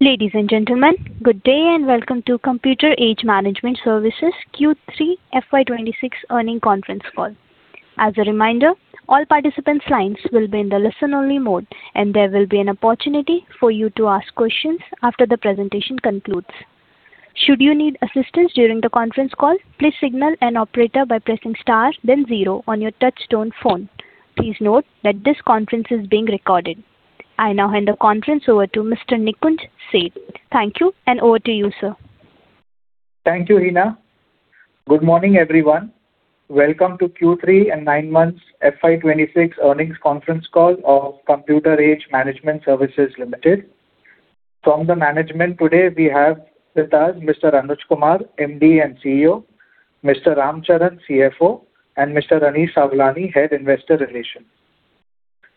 Ladies and gentlemen, good day and welcome to Computer Age Management Services Q3 FY26 Earnings Conference Call. As a reminder, all participants' lines will be in the listen-only mode, and there will be an opportunity for you to ask questions after the presentation concludes. Should you need assistance during the conference call, please signal an operator by pressing star, then zero on your touch-tone phone. Please note that this conference is being recorded. I now hand the conference over to Mr. Nikunj Seth. Thank you, and over to you, sir. Thank you, Hina. Good morning, everyone. Welcome to Q3 and nine months FY26 earnings conference call of Computer Age Management Services Limited. From the management, today we have with us Mr. Anuj Kumar, MD and CEO, Mr. Ramcharan Sesharaman, CFO, and Mr. Anish Sawlani, Head Investor Relations.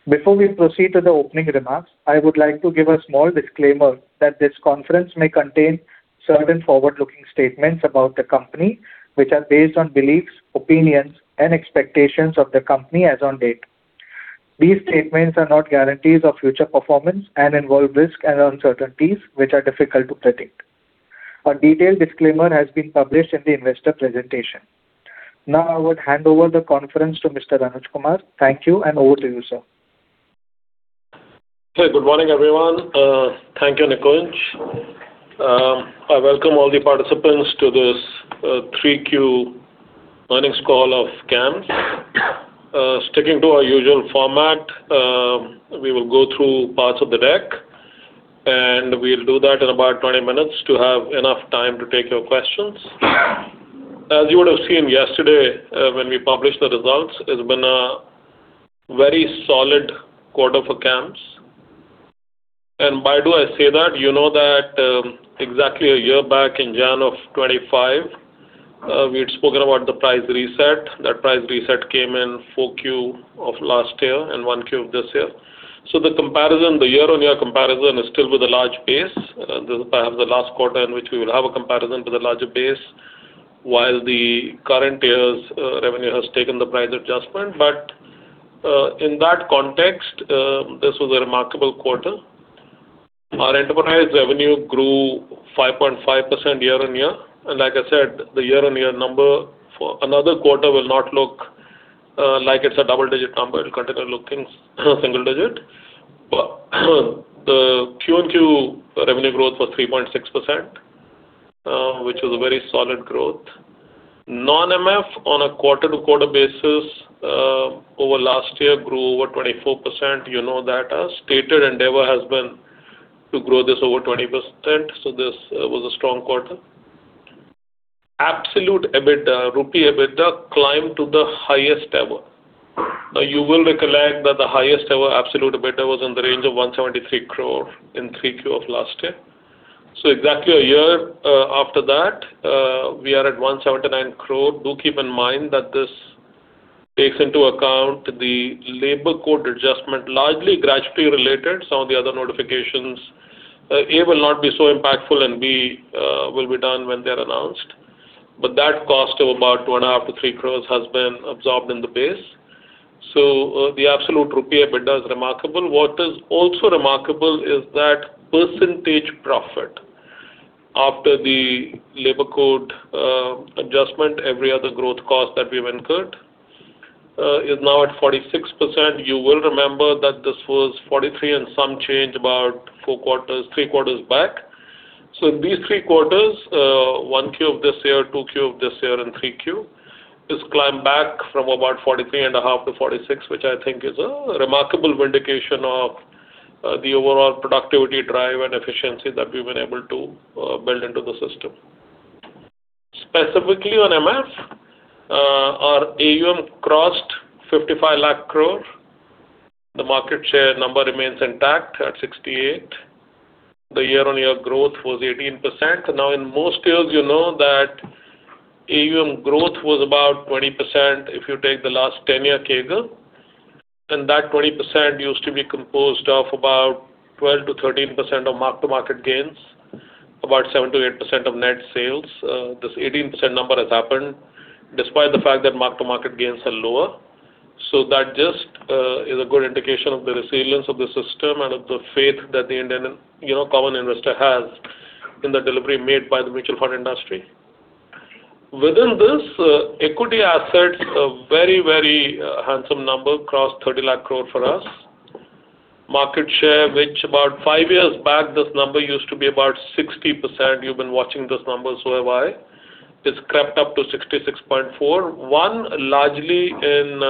Before we proceed to the opening remarks, I would like to give a small disclaimer that this conference may contain certain forward-looking statements about the company, which are based on beliefs, opinions, and expectations of the company as of date. These statements are not guarantees of future performance and involve risks and uncertainties, which are difficult to predict. A detailed disclaimer has been published in the investor presentation. Now, I would hand over the conference to Mr. Anuj Kumar. Thank you, and over to you, sir. Okay. Good morning, everyone. Thank you, Nikunj. I welcome all the participants to this 3Q earnings call of CAMS. Sticking to our usual format, we will go through parts of the deck, and we'll do that in about 20 minutes to have enough time to take your questions. As you would have seen yesterday when we published the results, it's been a very solid quarter for CAMS. And why do I say that? You know that exactly a year back in January of 2025, we had spoken about the price reset. That price reset came in four Q of last year and one Q of this year. So the comparison, the year-on-year comparison is still with a large base. This is perhaps the last quarter in which we will have a comparison to the larger base, while the current year's revenue has taken the price adjustment. But in that context, this was a remarkable quarter. Our enterprise revenue grew 5.5% year-on-year. And like I said, the year-on-year number for another quarter will not look like it's a double-digit number. It'll continue looking single-digit. The Q&Q revenue growth was 3.6%, which was a very solid growth. Non-MF on a quarter-to-quarter basis over last year grew over 24%. You know that our stated endeavor has been to grow this over 20%. So this was a strong quarter. Absolute EBITDA, rupee EBITDA climbed to the highest ever. Now, you will recollect that the highest ever absolute EBITDA was in the range of 173 crore in 3Q of last year. So exactly a year after that, we are at 179 crore. Do keep in mind that this takes into account the Labour Code adjustment, largely gradually related. Some of the other notifications A will not be so impactful and B will be done when they're announced. But that cost of about 1.5-3 crores has been absorbed in the base. So the absolute rupee EBITDA is remarkable. What is also remarkable is that percentage profit after the Labour Code adjustment, every other growth cost that we have incurred is now at 46%. You will remember that this was 43 and some change about three quarters back. So in these three quarters, one Q of this year, two Q of this year, and three Q, it's climbed back from about 43 and a half to 46, which I think is a remarkable vindication of the overall productivity drive and efficiency that we've been able to build into the system. Specifically on MF, our AUM crossed 55 lakh crore. The market share number remains intact at 68%. The year-on-year growth was 18%. Now, in most years, you know that AUM growth was about 20% if you take the last 10-year CAGR. And that 20% used to be composed of about 12%-13% mark-to-market gains, about 7%-8% net sales. This 18% number has happened despite the fact that mark-to-market gains are lower. So that just is a good indication of the resilience of the system and of the faith that the common investor has in the delivery made by the mutual fund industry. Within this, equity assets, a very, very handsome number, crossed 30 lakh crore for us. Market share, which about five years back, this number used to be about 60%. You've been watching this number so awhile. It's crept up to 66.4%. One, largely in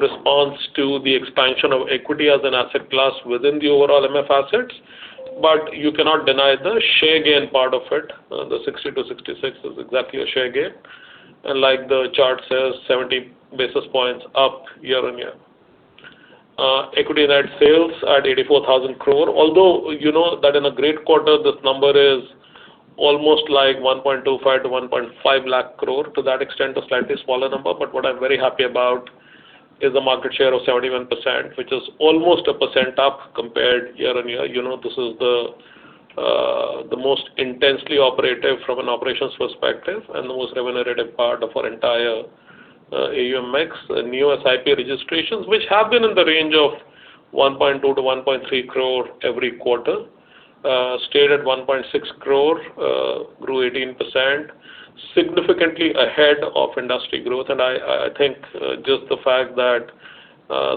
response to the expansion of equity as an asset class within the overall MF assets. But you cannot deny the share gain part of it. The 60-66 is exactly a share gain. And like the chart says, 70 basis points up year-on-year. Equity net sales at 84,000 crore. Although you know that in a great quarter, this number is almost like 1.25-1.5 lakh crore. To that extent, a slightly smaller number. But what I'm very happy about is the market share of 71%, which is almost a percent up compared year-on-year. This is the most intensely operative from an operations perspective and the most remunerative part of our entire AUMX. New SIP registrations, which have been in the range of 1.2-1.3 crore every quarter, stood at 1.6 crore, grew 18%, significantly ahead of industry growth. And I think just the fact that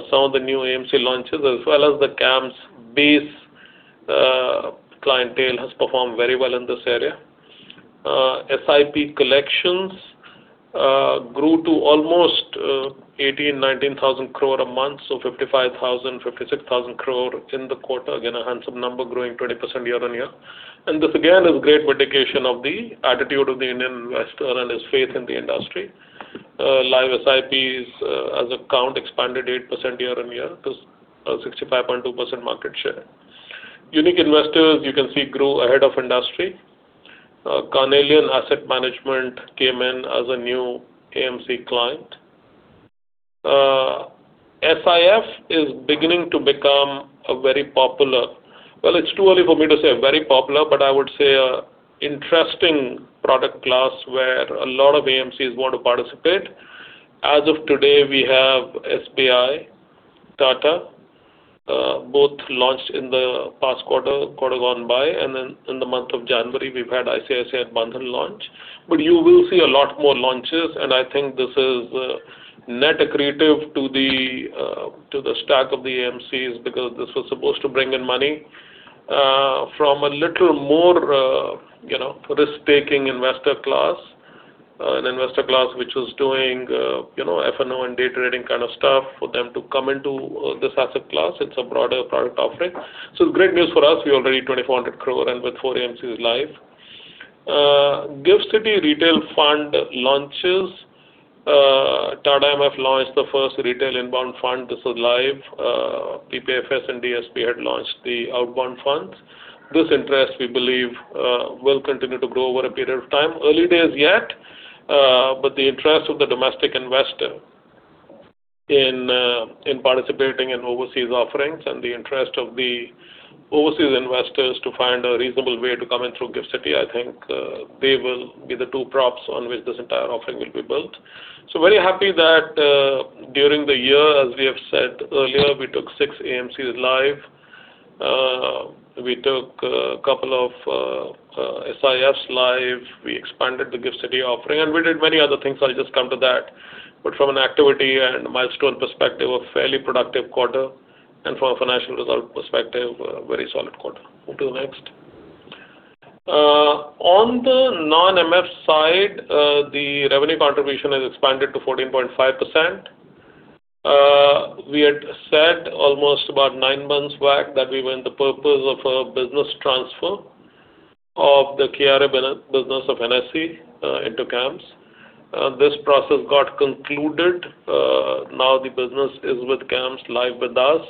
some of the new AMC launches, as well as the CAMS base clientele, has performed very well in this area. SIP collections grew to almost 18,000-19,000 crore a month. So 55,000-56,000 crore in the quarter. Again, a handsome number, growing 20% year-on-year. And this again is great vindication of the attitude of the Indian investor and his faith in the industry. Live SIPs as a count expanded 8% year-on-year to 65.2% market share. Unique investors, you can see, grew ahead of industry. Carnelian Asset Management came in as a new AMC client. AIF is beginning to become a very popular, well, it's too early for me to say very popular, but I would say an interesting product class where a lot of AMCs want to participate. As of today, we have SBI, Tata, both launched in the past quarter gone by, and then in the month of January, we've had ICICI, Bandhan launch, but you will see a lot more launches, and I think this is net accretive to the stack of the AMCs because this was supposed to bring in money from a little more risk-taking investor class, an investor class which was doing F&O and day trading kind of stuff for them to come into this asset class. It's a broader product offering, so it's great news for us. We already 2,400 crore and with four AMCs live. GIFT City Retail Fund launches. Tata MF launched the first retail inbound fund. This was live. PPFAS and DSP had launched the outbound funds. This interest, we believe, will continue to grow over a period of time. Early days yet. But the interest of the domestic investor in participating in overseas offerings and the interest of the overseas investors to find a reasonable way to come in through GIFT City, I think they will be the two props on which this entire offering will be built. So very happy that during the year, as we have said earlier, we took six AMCs live. We took a couple of AIFs live. We expanded the GIFT City offering. And we did many other things. I'll just come to that. But from an activity and milestone perspective, a fairly productive quarter. And from a financial result perspective, a very solid quarter. Move to the next. On the non-MF side, the revenue contribution has expanded to 14.5%. We had said almost about nine months back that we were in the process of a business transfer of the KRA business of NSE into CAMS. This process got concluded. Now the business is with CAMS live with us.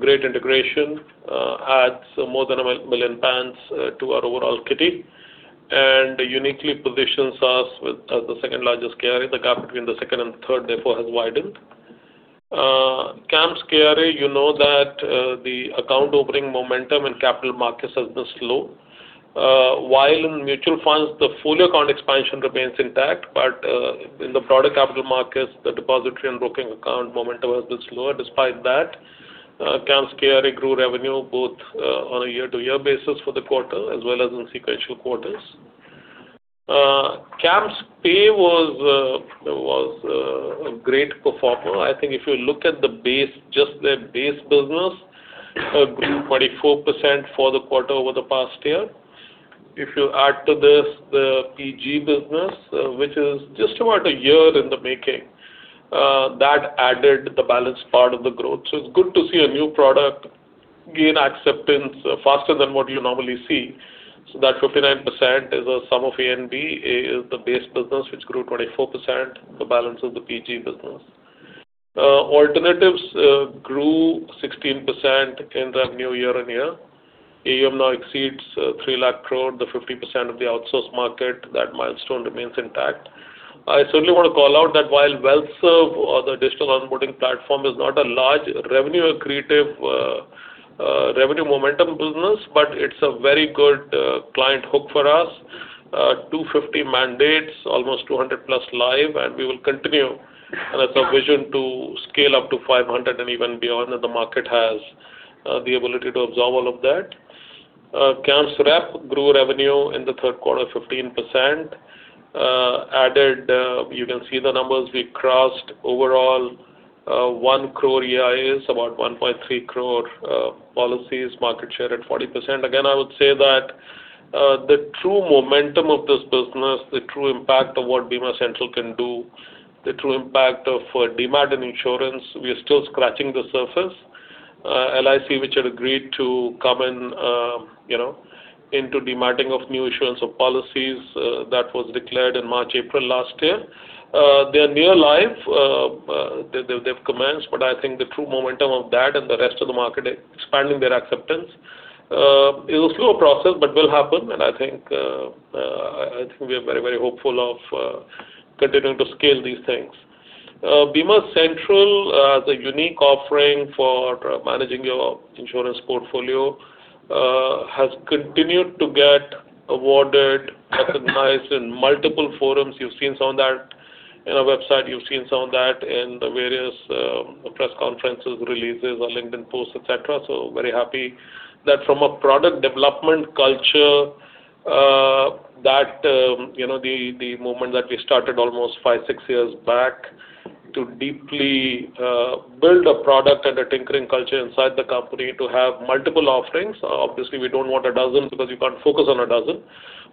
Great integration adds more than a million accounts to our overall kitty and uniquely positions us as the second largest KRA. The gap between the second and third, therefore, has widened. CAMS KRA, you know that the account opening momentum in capital markets has been slow. While in mutual funds, the full account expansion remains intact. But in the broader capital markets, the depository and broking account momentum has been slower. Despite that, CAMS KRA grew revenue both on a year-to-year basis for the quarter as well as in sequential quarters. CAMSPay was a great performer. I think if you look at just their base business, a 24% for the quarter over the past year. If you add to this the PG business, which is just about a year in the making, that added the balanced part of the growth, so it's good to see a new product gain acceptance faster than what you normally see. So that 59% is a sum of A and B. A is the base business, which grew 24%. The balance is the PG business. Alternatives grew 16% in revenue year-on-year. AUM now exceeds 3 lakh crore, the 50% of the outsourced market. That milestone remains intact. I certainly want to call out that while WealthServ, the digital onboarding platform, is not a large revenue accretive revenue momentum business, but it's a very good client hook for us. 250 mandates, almost 200 plus live, and we will continue. It's our vision to scale up to 500 and even beyond if the market has the ability to absorb all of that. CAMSRep grew revenue in the third quarter 15%. You can see the numbers. We crossed overall one crore eIAs, about 1.3 crore policies, market share at 40%. Again, I would say that the true momentum of this business, the true impact of what Bima Central can do, the true impact of demat and insurance, we are still scratching the surface. LIC, which had agreed to come into demating of new insurance policies, that was declared in March, April last year. They're nearly live. They've commenced. But I think the true momentum of that and the rest of the market expanding their acceptance is a slow process but will happen. I think we are very, very hopeful of continuing to scale these things. Bima Central, as a unique offering for managing your insurance portfolio, has continued to get awarded, recognized in multiple forums. You've seen some of that in our website. You've seen some of that in the various press conferences, releases, our LinkedIn posts, etc. So very happy that from a product development culture, that the movement that we started almost five, six years back to deeply build a product and a tinkering culture inside the company to have multiple offerings. Obviously, we don't want a dozen because we can't focus on a dozen.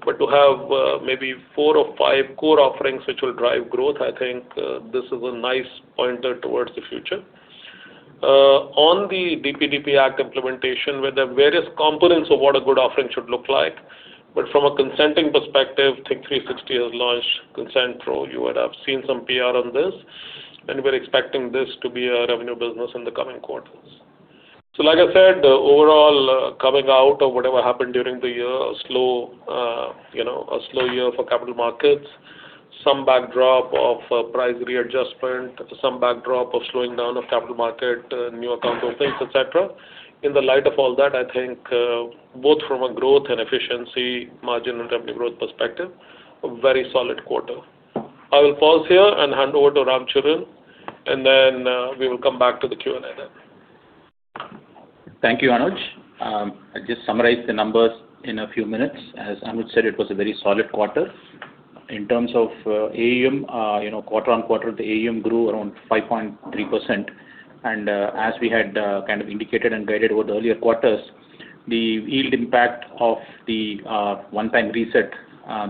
But to have maybe four or five core offerings which will drive growth, I think this is a nice pointer towards the future. On the DPDP Act implementation, where there are various components of what a good offering should look like. But from a consenting perspective, I think 360 has launched Consent Pro. You would have seen some PR on this. And we're expecting this to be a revenue business in the coming quarters. So like I said, overall, coming out of whatever happened during the year, a slow year for capital markets, some backdrop of price readjustment, some backdrop of slowing down of capital market, new accounts, all things, etc. In the light of all that, I think both from a growth and efficiency margin and revenue growth perspective, a very solid quarter. I will pause here and hand over to Ramcharan. And then we will come back to the Q&A then. Thank you, Anuj. I'll just summarize the numbers in a few minutes. As Anuj said, it was a very solid quarter. In terms of AUM, quarter on quarter, the AUM grew around 5.3%. And as we had kind of indicated and guided over the earlier quarters, the yield impact of the one-time reset,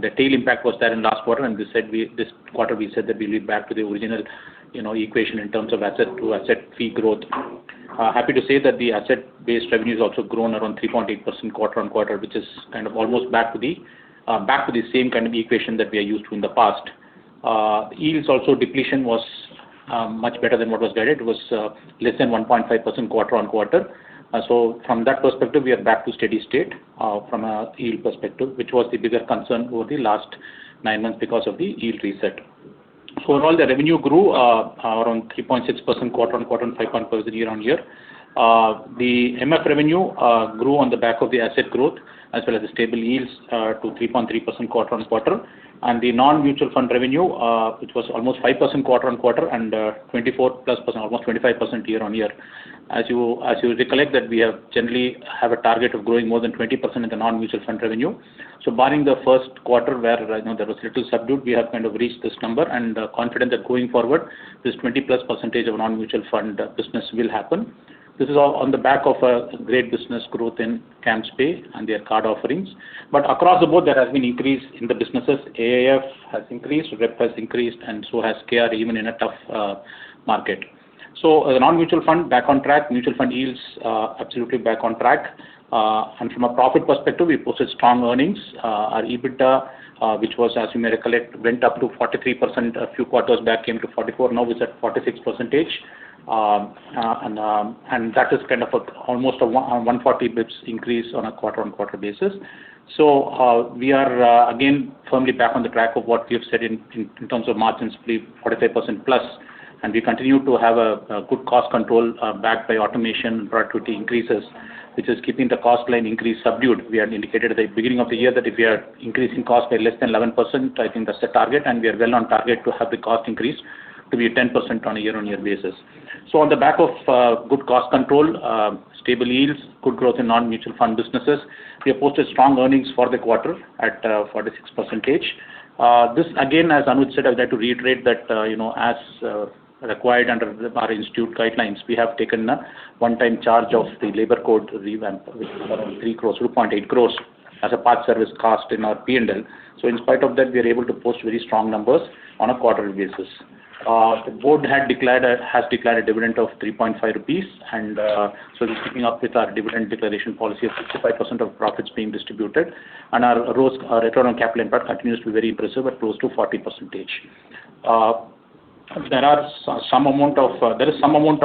the tail impact, was there in last quarter. And this quarter, we said that we lean back to the original equation in terms of asset-to-asset fee growth. Happy to say that the asset-based revenues also grew around 3.8% quarter on quarter, which is kind of almost back to the same kind of equation that we are used to in the past. Yields' depletion also was much better than what was guided. It was less than 1.5% quarter on quarter. So from that perspective, we are back to steady state from a yield perspective, which was the bigger concern over the last nine months because of the yield reset. So overall, the revenue grew around 3.6% quarter on quarter and 5.5% year-on-year. The MF revenue grew on the back of the asset growth as well as the stable yields to 3.3% quarter on quarter, and the non-mutual fund revenue, which was almost 5% quarter on quarter and 24-plus%, almost 25% year-on-year. As you recollect that we generally have a target of growing more than 20% in the non-mutual fund revenue, so barring the first quarter where there was a little subdued, we have kind of reached this number, and confident that going forward, this 20-plus% of non-mutual fund business will happen. This is on the back of a great business growth in CAMSPay and their card offerings, but across the board, there has been increase in the businesses. AIF has increased. Rep has increased, and so has KRA even in a tough market, so the non-mutual fund back on track. Mutual fund yields absolutely back on track. From a profit perspective, we posted strong earnings. Our EBITDA, which was, as you may recollect, went up to 43% a few quarters back, came to 44%. Now we're at 46%. And that is kind of almost a 140 basis points increase on a quarter-on-quarter basis. So we are again firmly back on the track of what we have said in terms of margins, 45% plus. And we continue to have a good cost control backed by automation and productivity increases, which is keeping the cost line increase subdued. We had indicated at the beginning of the year that if we are increasing cost by less than 11%, I think that's the target. And we are well on target to have the cost increase to be 10% on a year-on-year basis. On the back of good cost control, stable yields, good growth in non-mutual fund businesses, we have posted strong earnings for the quarter at 46%. This, again, as Anuj said, I would like to reiterate that as required under our institute guidelines, we have taken a one-time charge of the Labour Code revamp, which was around 3 crores, 2.8 crores as a past service cost in our P&L. In spite of that, we are able to post very strong numbers on a quarterly basis. The board has declared a dividend of 3.5 rupees. We're keeping up with our dividend declaration policy of 65% of profits being distributed. Our return on capital impact continues to be very impressive at close to 40%. There is some amount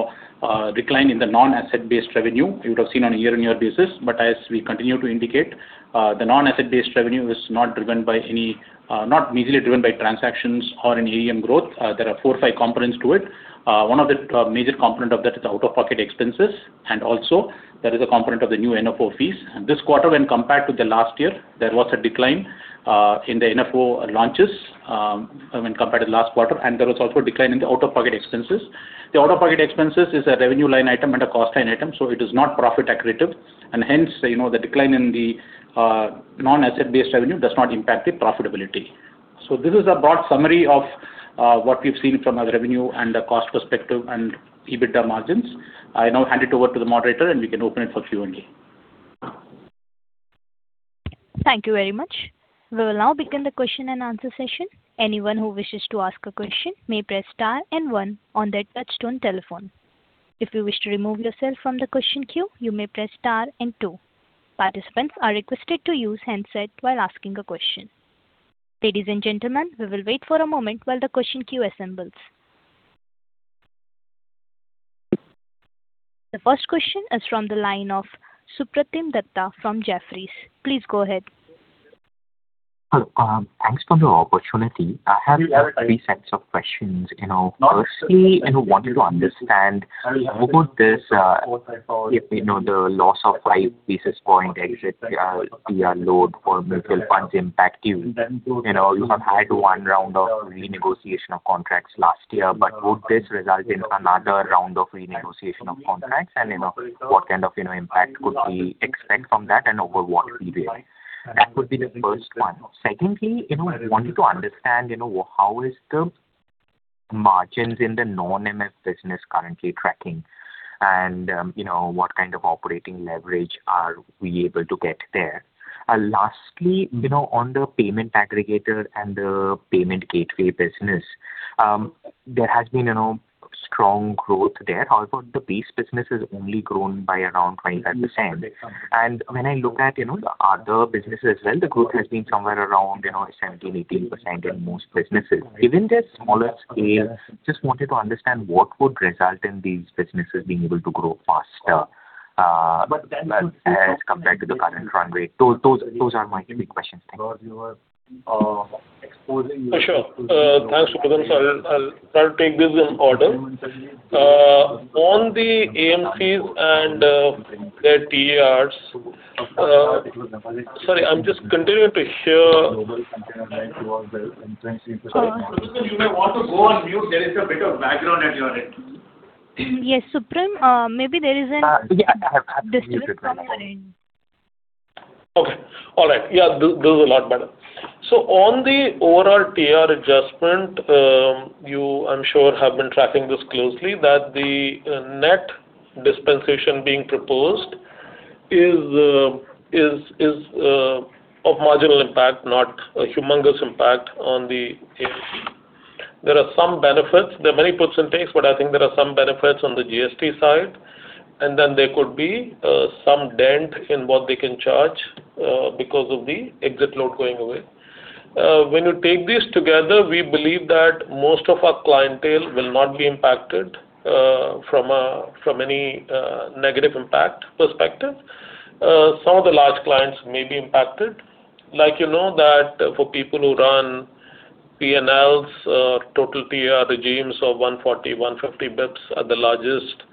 of decline in the non-asset-based revenue you would have seen on a year-on-year basis. But as we continue to indicate, the non-asset-based revenue is not easily driven by transactions or in AUM growth. There are four or five components to it. One of the major components of that is out-of-pocket expenses. And also, there is a component of the new NFO fees. And this quarter, when compared to the last year, there was a decline in the NFO launches when compared to last quarter. And there was also a decline in the out-of-pocket expenses. The out-of-pocket expenses is a revenue line item and a cost line item. So it is not profit accretive. And hence, the decline in the non-asset-based revenue does not impact the profitability. So this is a broad summary of what we've seen from a revenue and a cost perspective and EBITDA margins. I now hand it over to the moderator, and we can open it for Q&A. Thank you very much. We will now begin the question and answer session. Anyone who wishes to ask a question may press star and one on their touch-tone telephone. If you wish to remove yourself from the question queue, you may press star and two. Participants are requested to use handset while asking a question. Ladies and gentlemen, we will wait for a moment while the question queue assembles. The first question is from the line of Supratim Datta from Jefferies. Please go ahead. Thanks for the opportunity. I have three sets of questions. Firstly, I wanted to understand, would this loss of five basis points exit load for mutual funds impact you? You have had one round of renegotiation of contracts last year. But would this result in another round of renegotiation of contracts? And what kind of impact could we expect from that and over what period? That would be the first one. Secondly, I wanted to understand how are the margins in the non-MF business currently tracking? And what kind of operating leverage are we able to get there? Lastly, on the payment aggregator and the payment gateway business, there has been strong growth there. However, the base business has only grown by around 25%. And when I look at the other businesses as well, the growth has been somewhere around 17%-18% in most businesses. Given their smaller scale, I just wanted to understand what would result in these businesses being able to grow faster as compared to the current run rate. Those are my three questions. Thank you. For sure. Thanks, Supratim. So I'll try to take this in order. On the AM fees and their TERs, sorry, I'm just continuing to hear the interference. Supratim, you may want to go on mute. There is a bit of background at your end. Yes, Supratim. Maybe there is a distance from your end. Okay. All right. Yeah, this is a lot better. On the overall TER adjustment, you, I'm sure, have been tracking this closely, that the net dispensation being proposed is of marginal impact, not a humongous impact on the AM fee. There are some benefits. There are many percent takes, but I think there are some benefits on the GST side. Then there could be some dent in what they can charge because of the exit load going away. When you take these together, we believe that most of our clientele will not be impacted from any negative impact perspective. Some of the large clients may be impacted. Like you know that for people who run P&Ls, total TER regimes of 140, 150 basis points at the largest,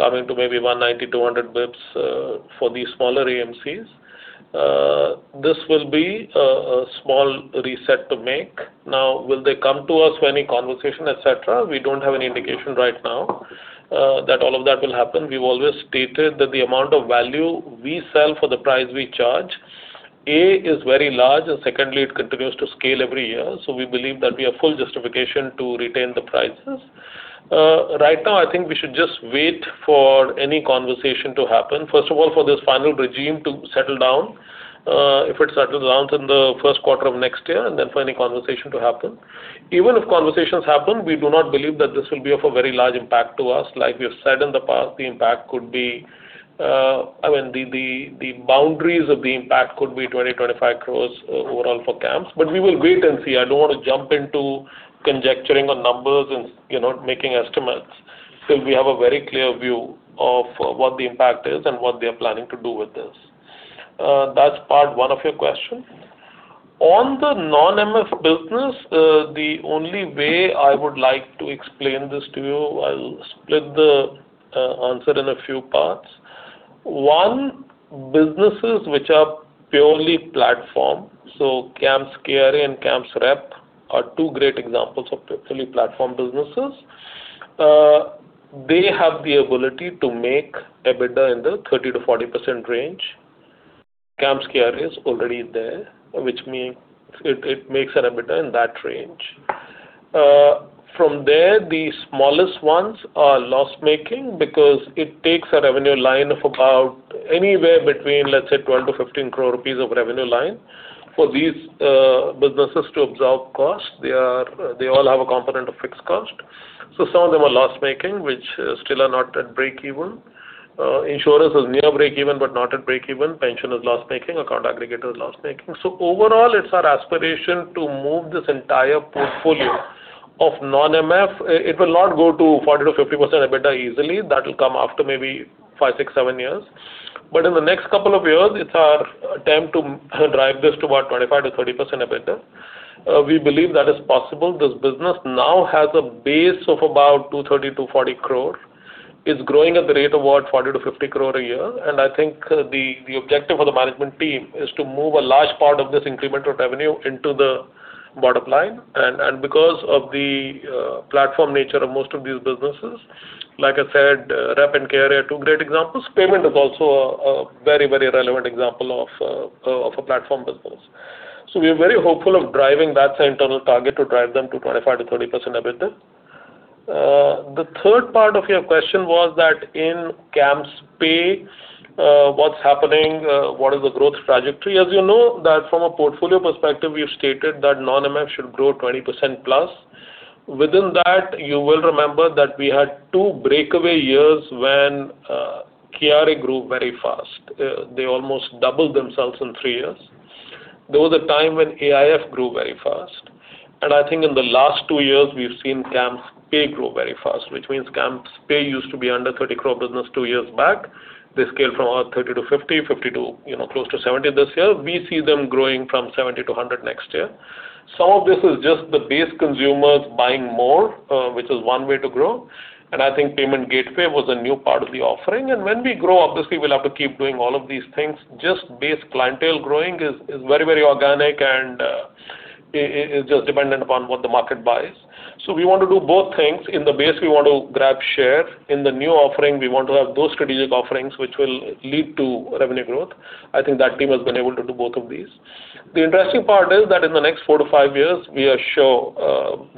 coming to maybe 190, 200 basis points for the smaller AMCs, this will be a small reset to make. Now, will they come to us for any conversation, etc.? We don't have any indication right now that all of that will happen. We've always stated that the amount of value we sell for the price we charge, A, is very large, and secondly, it continues to scale every year. So we believe that we have full justification to retain the prices. Right now, I think we should just wait for any conversation to happen. First of all, for this final regime to settle down. If it settles down in the first quarter of next year, then for any conversation to happen. Even if conversations happen, we do not believe that this will be of a very large impact to us. Like we have said in the past, the impact could be I mean, the boundaries of the impact could be 20-25 crores overall for CAMS, but we will wait and see. I don't want to jump into conjecturing on numbers and making estimates till we have a very clear view of what the impact is and what they are planning to do with this. That's part one of your question. On the non-MF business, the only way I would like to explain this to you, I'll split the answer in a few parts. One, businesses which are purely platform, so CAMS KRA and CAMS Rep are two great examples of purely platform businesses. They have the ability to make EBITDA in the 30%-40% range. CAMS KRA is already there, which means it makes an EBITDA in that range. From there, the smallest ones are loss-making because it takes a revenue line of about anywhere between, let's say, 12-15 crore rupees of revenue line for these businesses to absorb costs. They all have a component of fixed cost. So some of them are loss-making, which still are not at break-even. Insurance is near break-even but not at break-even. Pension is loss-making. Account aggregator is loss-making. So overall, it's our aspiration to move this entire portfolio of non-MF. It will not go to 40%-50% EBITDA easily. That will come after maybe five, six, seven years. But in the next couple of years, it's our attempt to drive this to about 25%-30% EBITDA. We believe that is possible. This business now has a base of about 230-240 crore. It's growing at the rate of about 40-50 crore a year. And I think the objective of the management team is to move a large part of this incremental revenue into the bottom line. And because of the platform nature of most of these businesses, like I said, Rep and KRA are two great examples. Payment is also a very, very relevant example of a platform business. So we are very hopeful of driving that internal target to drive them to 25%-30% EBITDA. The third part of your question was that in CAMSPay, what's happening? What is the growth trajectory? As you know, from a portfolio perspective, we've stated that non-MF should grow 20% plus. Within that, you will remember that we had two breakaway years when KRA grew very fast. They almost doubled themselves in three years. There was a time when AIF grew very fast. And I think in the last two years, we've seen CAMSPay grow very fast, which means CAMSPay used to be under 30 crore business two years back. They scaled from about 30 to 50, 50 to close to 70 this year. We see them growing from 70 to 100 next year. Some of this is just the base consumers buying more, which is one way to grow. And I think payment gateway was a new part of the offering. And when we grow, obviously, we'll have to keep doing all of these things. Just base clientele growing is very, very organic and is just dependent upon what the market buys. So we want to do both things. In the base, we want to grab share. In the new offering, we want to have those strategic offerings which will lead to revenue growth. I think that team has been able to do both of these. The interesting part is that in the next four to five years, we are sure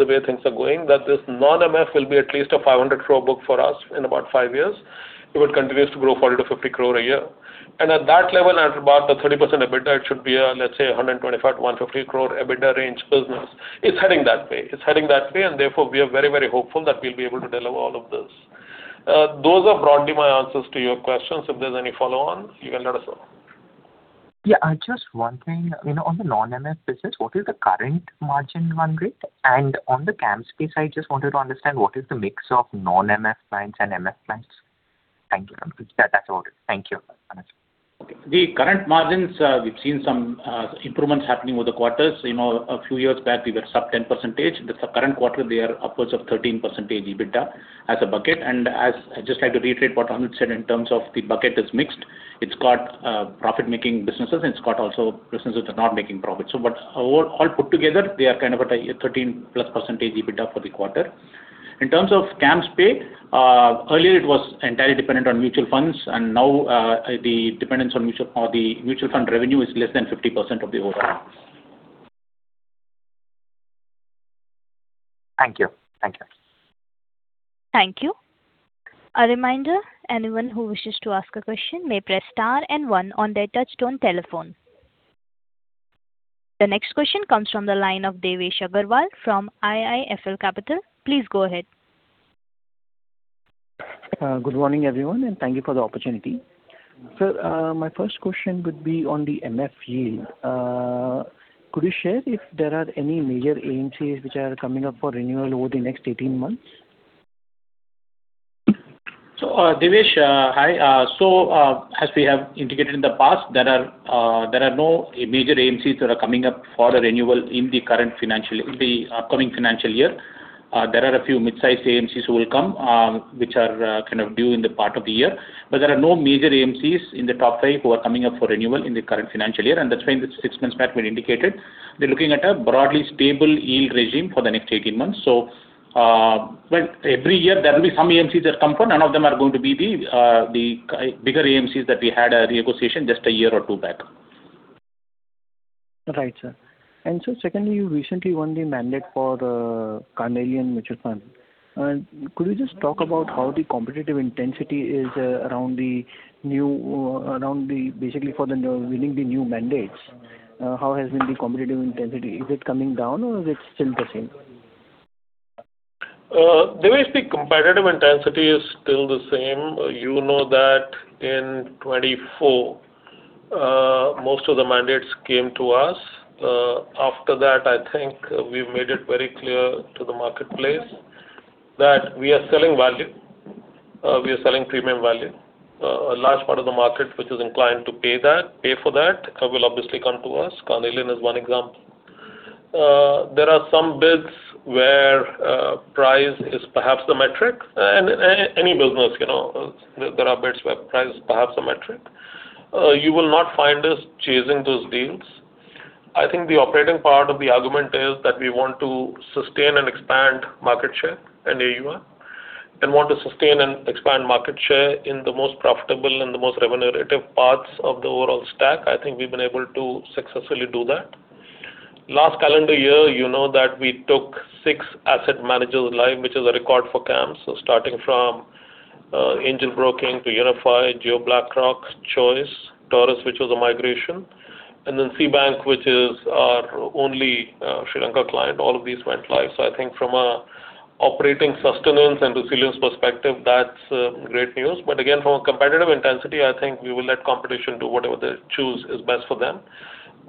the way things are going that this non-MF will be at least 500 crore book for us in about five years if it continues to grow 40-50 crore a year and at that level, at about the 30% EBITDA, it should be a, let's say, 125-150 crore EBITDA range business. It's heading that way. It's heading that way, and therefore, we are very, very hopeful that we'll be able to deliver all of this. Those are broadly my answers to your questions. If there's any follow-on, you can let us know. Yeah. Just one thing. On the non-MF business, what is the current margin run rate? And on the CAMS piece, I just wanted to understand what is the mix of non-MF clients and MF clients? Thank you. That's about it. Thank you. The current margins, we've seen some improvements happening over the quarters. A few years back, we were sub 10%. The current quarter, they are upwards of 13% EBITDA as a bucket. And I'd just like to reiterate what Anuj said in terms of the bucket is mixed. It's got profit-making businesses, and it's got also businesses that are not making profits. But all put together, they are kind of at a 13-plus% EBITDA for the quarter. In terms of CAMSPay, earlier, it was entirely dependent on mutual funds. And now, the dependence on mutual fund revenue is less than 50% of the overall. Thank you. Thank you. Thank you. A reminder, anyone who wishes to ask a question may press star and one on their touch-tone telephone. The next question comes from the line of Devesh Agarwal from IIFL Capital. Please go ahead. Good morning, everyone. And thank you for the opportunity. Sir, my first question would be on the MF yield. Could you share if there are any major AMCs which are coming up for renewal over the next 18 months? So, Devesh, hi. So as we have indicated in the past, there are no major AMCs that are coming up for the renewal in the upcoming financial year. There are a few mid-sized AMCs who will come, which are kind of due in the part of the year. But there are no major AMCs in the top five who are coming up for renewal in the current financial year. And that's why in the six-months map we indicated, they're looking at a broadly stable yield regime for the next 18 months. So every year, there will be some AMCs that come for. None of them are going to be the bigger AMCs that we had a renegotiation just a year or two back. Right, sir. And so, secondly, you recently won the mandate for Carnelian Mutual Fund. Could you just talk about how the competitive intensity is around basically for winning the new mandates? How has been the competitive intensity? Is it coming down, or is it still the same? Devesh, the competitive intensity is still the same. You know that in 2024, most of the mandates came to us. After that, I think we've made it very clear to the marketplace that we are selling value. We are selling premium value. A large part of the market, which is inclined to pay for that, will obviously come to us. Carnelian is one example. There are some bids where price is perhaps the metric, and any business, there are bids where price is perhaps the metric. You will not find us chasing those deals. I think the operating part of the argument is that we want to sustain and expand market share and AUM and want to sustain and expand market share in the most profitable and the most remunerative parts of the overall stack. I think we've been able to successfully do that. Last calendar year, you know that we took six asset managers live, which is a record for CAMS, so starting from Angel Broking to Unifi, Jio BlackRock, Choice, Taurus, which was a migration, and then Ceybank, which is our only Sri Lanka client. All of these went live. I think from an operating sustenance and resilience perspective, that's great news. But again, from a competitive intensity, I think we will let competition do whatever they choose is best for them.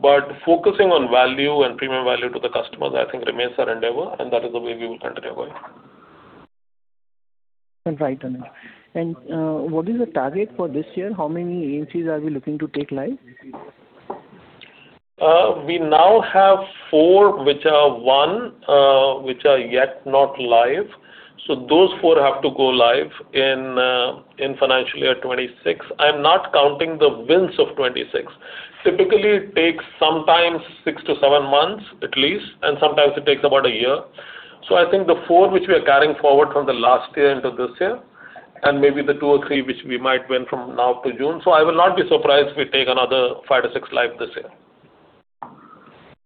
But focusing on value and premium value to the customers, I think remains our endeavor. And that is the way we will continue going. Right, Anuj. And what is the target for this year? How many AMCs are we looking to take live? We now have four, which are won yet not live. So those four have to go live in financial year 2026. I'm not counting the wins of 2026. Typically, it takes sometimes six to seven months at least, and sometimes it takes about a year. So, I think the four, which we are carrying forward from the last year into this year, and maybe the two or three which we might win from now to June. So, I will not be surprised if we take another five-to-six live this year.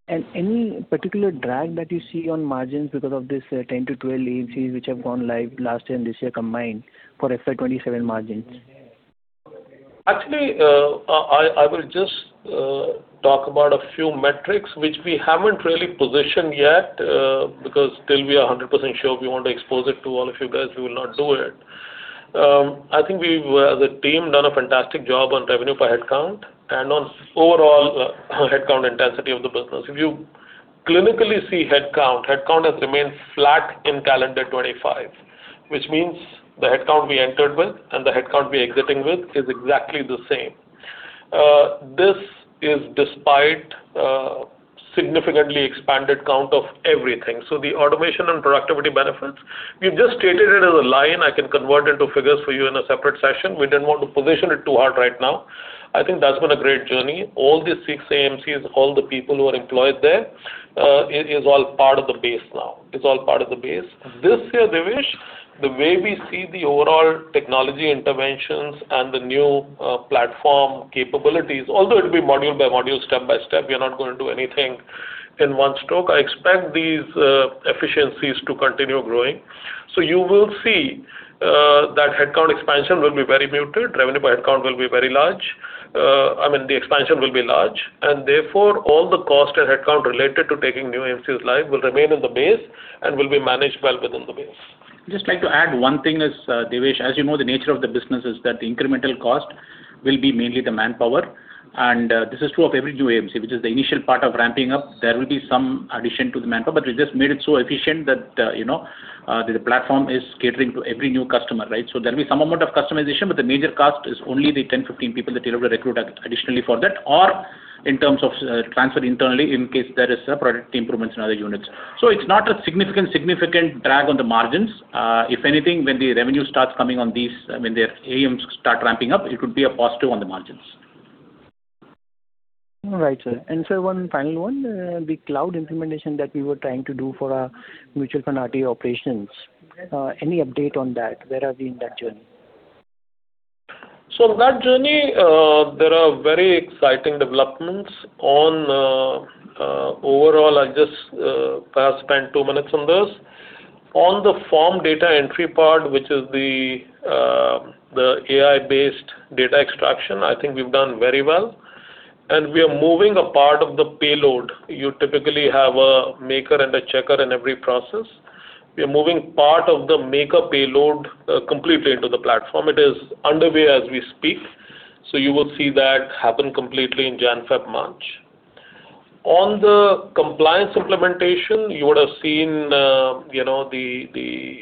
And any particular drag that you see on margins because of these 10-12 AMCs which have gone live last year and this year combined for FY27 margins? Actually, I will just talk about a few metrics, which we haven't really positioned yet because till we are 100% sure we want to expose it to all of you guys, we will not do it. I think we've, as a team, done a fantastic job on revenue per headcount and on overall headcount intensity of the business. If you clinically see headcount, headcount has remained flat in calendar 2025, which means the headcount we entered with and the headcount we are exiting with is exactly the same. This is despite a significantly expanded count of everything. So the automation and productivity benefits, we've just stated it as a line. I can convert into figures for you in a separate session. We didn't want to position it too hard right now. I think that's been a great journey. All these six AMCs, all the people who are employed there, it is all part of the base now. It's all part of the base. This year, Devesh, the way we see the overall technology interventions and the new platform capabilities, although it will be module by module, step by step, we are not going to do anything in one stroke. I expect these efficiencies to continue growing. So you will see that headcount expansion will be very muted. Revenue per headcount will be very large. I mean, the expansion will be large. And therefore, all the cost and headcount related to taking new AMCs live will remain in the base and will be managed well within the base. Just like to add one thing is, Devesh, as you know, the nature of the business is that the incremental cost will be mainly the manpower. And this is true of every new AMC, which is the initial part of ramping up. There will be some addition to the manpower, but we just made it so efficient that the platform is catering to every new customer, right? So there will be some amount of customization, but the major cost is only the 10, 15 people that you have to recruit additionally for that, or in terms of transfer internally in case there are product improvements in other units. So it's not a significant, significant drag on the margins. If anything, when the revenue starts coming on these, when the AUMs start ramping up, it would be a positive on the margins. Right, sir. And sir, one final one. The cloud implementation that we were trying to do for our mutual fund RTA operations, any update on that? Where are we in that journey? So on that journey, there are very exciting developments overall. I just spent two minutes on those. On the form data entry part, which is the AI-based data extraction, I think we've done very well. We are moving a part of the payload. You typically have a maker and a checker in every process. We are moving part of the maker payload completely into the platform. It is underway as we speak. You will see that happen completely in January-February-March. On the compliance implementation, you would have seen the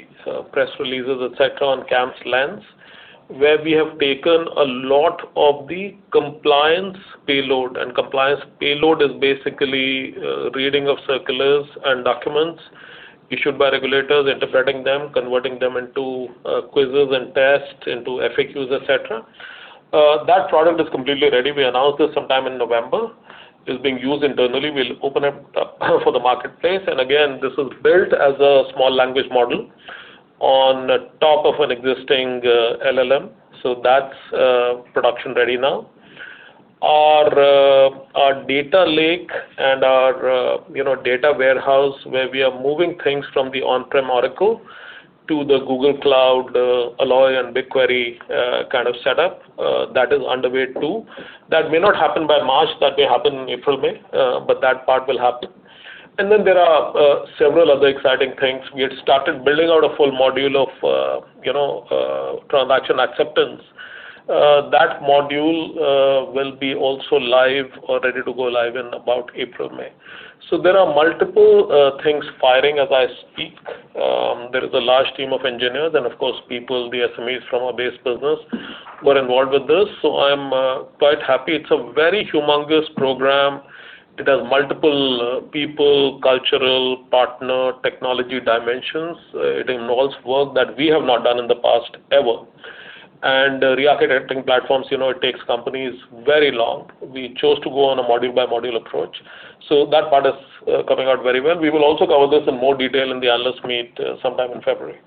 press releases, etc., on CAMSLens, where we have taken a lot of the compliance payload. Compliance payload is basically reading of circulars and documents issued by regulators, interpreting them, converting them into quizzes and tests, into FAQs, etc. That product is completely ready. We announced this sometime in November. It's being used internally. We'll open it up for the marketplace. Again, this is built as a small language model on top of an existing LLM. That's production ready now. Our data lake and our data warehouse, where we are moving things from the on-prem Oracle to the Google Cloud AlloyDB and BigQuery kind of setup, that is underway too. That may not happen by March. That may happen in April, May, but that part will happen. And then there are several other exciting things. We had started building out a full module of transaction acceptance. That module will be also live or ready to go live in about April, May. So there are multiple things firing as I speak. There is a large team of engineers and, of course, people, the SMEs from our base business, who are involved with this. So I'm quite happy. It's a very humongous program. It has multiple people, cultural, partner, technology dimensions. It involves work that we have not done in the past ever. And re-architecting platforms, it takes companies very long. We chose to go on a module-by-module approach. So that part is coming out very well. We will also cover this in more detail in the analyst meet sometime in February.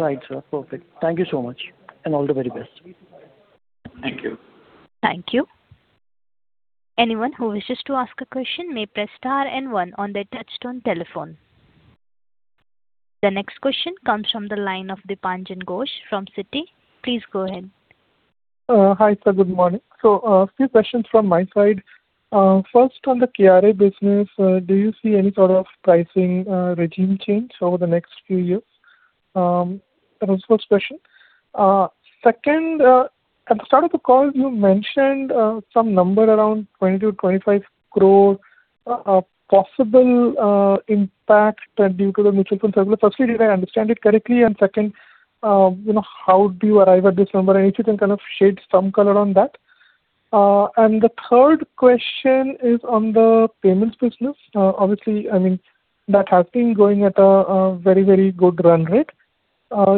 Right, sir. Perfect. Thank you so much. And all the very best. Thank you. Thank you. Anyone who wishes to ask a question may press star and one on their touch-tone telephone. The next question comes from the line of Dipanjan Ghosh from Citi. Please go ahead. Hi, sir. Good morning. So a few questions from my side. First, on the KRA business, do you see any sort of pricing regime change over the next few years? That was the first question. Second, at the start of the call, you mentioned some number around 20-25 crore, possible impact due to the mutual fund circular. Firstly, did I understand it correctly? Second, how do you arrive at this number? If you can kind of add some color on that. The third question is on the payments business. Obviously, I mean, that has been going at a very, very good run rate.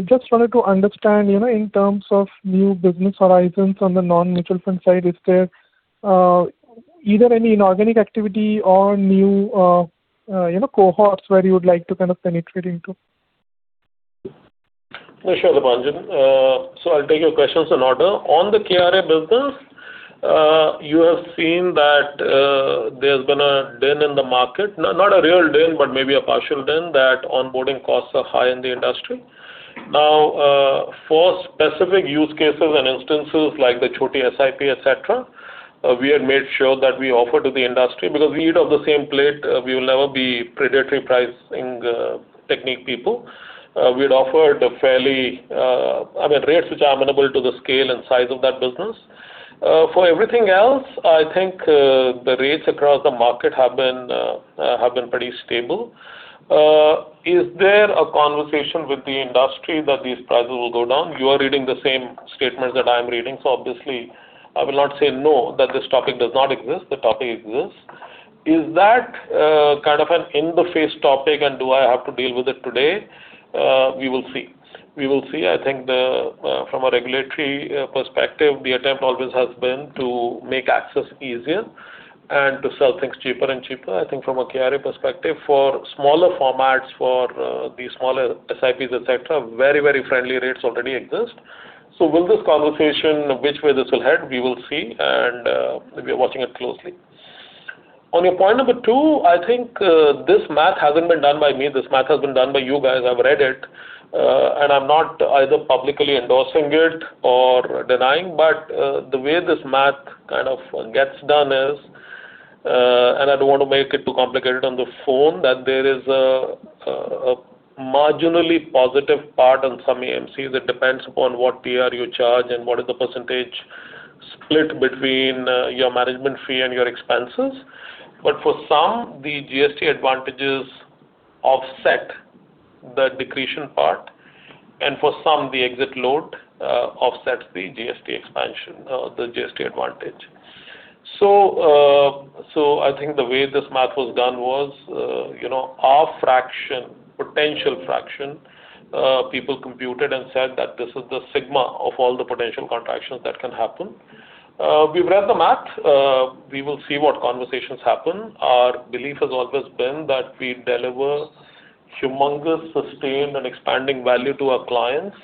Just wanted to understand, in terms of new business horizons on the non-mutual fund side, is there either any inorganic activity or new cohorts where you would like to kind of penetrate into? Sure, Dipanjan. I'll take your questions in order. On the KRA business, you have seen that there's been a din in the market. Not a real din, but maybe a partial din that onboarding costs are high in the industry. Now, for specific use cases and instances like the Choti SIP, etc., we had made sure that we offered to the industry because we eat off the same plate. We will never be predatory pricing technique people. We had offered a fairly, I mean, rates which are amenable to the scale and size of that business. For everything else, I think the rates across the market have been pretty stable. Is there a conversation with the industry that these prices will go down? You are reading the same statements that I'm reading. So obviously, I will not say no that this topic does not exist. The topic exists. Is that kind of an in-the-face topic, and do I have to deal with it today? We will see. We will see. I think from a regulatory perspective, the attempt always has been to make access easier and to sell things cheaper and cheaper. I think from a KRA perspective, for smaller formats, for the smaller SIPs, etc., very, very friendly rates already exist. So will this conversation, which way this will head, we will see, and we are watching it closely. On your point number two, I think this math hasn't been done by me. This math has been done by you guys. I've read it, and I'm not either publicly endorsing it or denying, but the way this math kind of gets done is, and I don't want to make it too complicated on the phone, that there is a marginally positive part on some AMCs that depends upon what TER you charge and what is the percentage split between your management fee and your expenses, but for some, the GST advantages offset the de-accretion part, and for some, the exit load offsets the GST advantage. I think the way this math was done was our fraction, potential fraction, people computed and said that this is the sigma of all the potential contractions that can happen. We've read the math. We will see what conversations happen. Our belief has always been that we deliver humongous, sustained, and expanding value to our clients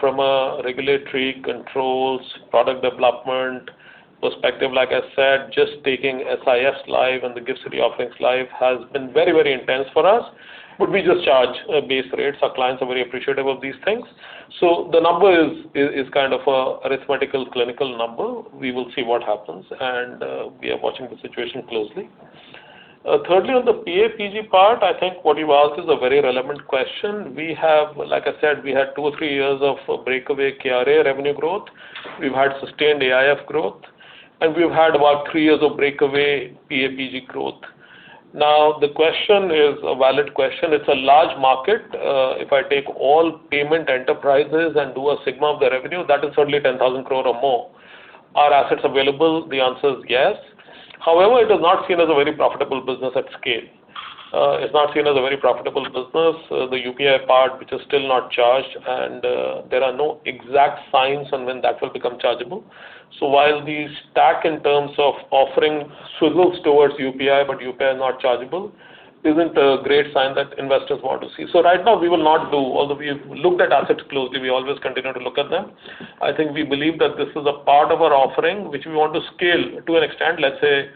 from a regulatory controls, product development perspective. Like I said, just taking SIS live and the GIFT City offerings live has been very, very intense for us. But we just charge base rates. Our clients are very appreciative of these things. So the number is kind of an arithmetical, clinical number. We will see what happens. We are watching the situation closely. Thirdly, on the PAPG part, I think what you've asked is a very relevant question. Like I said, we had two or three years of breakaway KRA revenue growth. We've had sustained AIF growth, and we've had about three years of breakaway PAPG growth. Now, the question is a valid question. It's a large market. If I take all payment enterprises and do a sigma of the revenue, that is certainly 10,000 crore or more. Are assets available? The answer is yes. However, it is not seen as a very profitable business at scale. It's not seen as a very profitable business. The UPI part, which is still not charged, and there are no exact signs on when that will become chargeable. So while we stack in terms of offering solutions towards UPI, but UPI is not chargeable, isn't a great sign that investors want to see. So right now, we will not do. Although we have looked at assets closely, we always continue to look at them. I think we believe that this is a part of our offering, which we want to scale to an extent. Let's say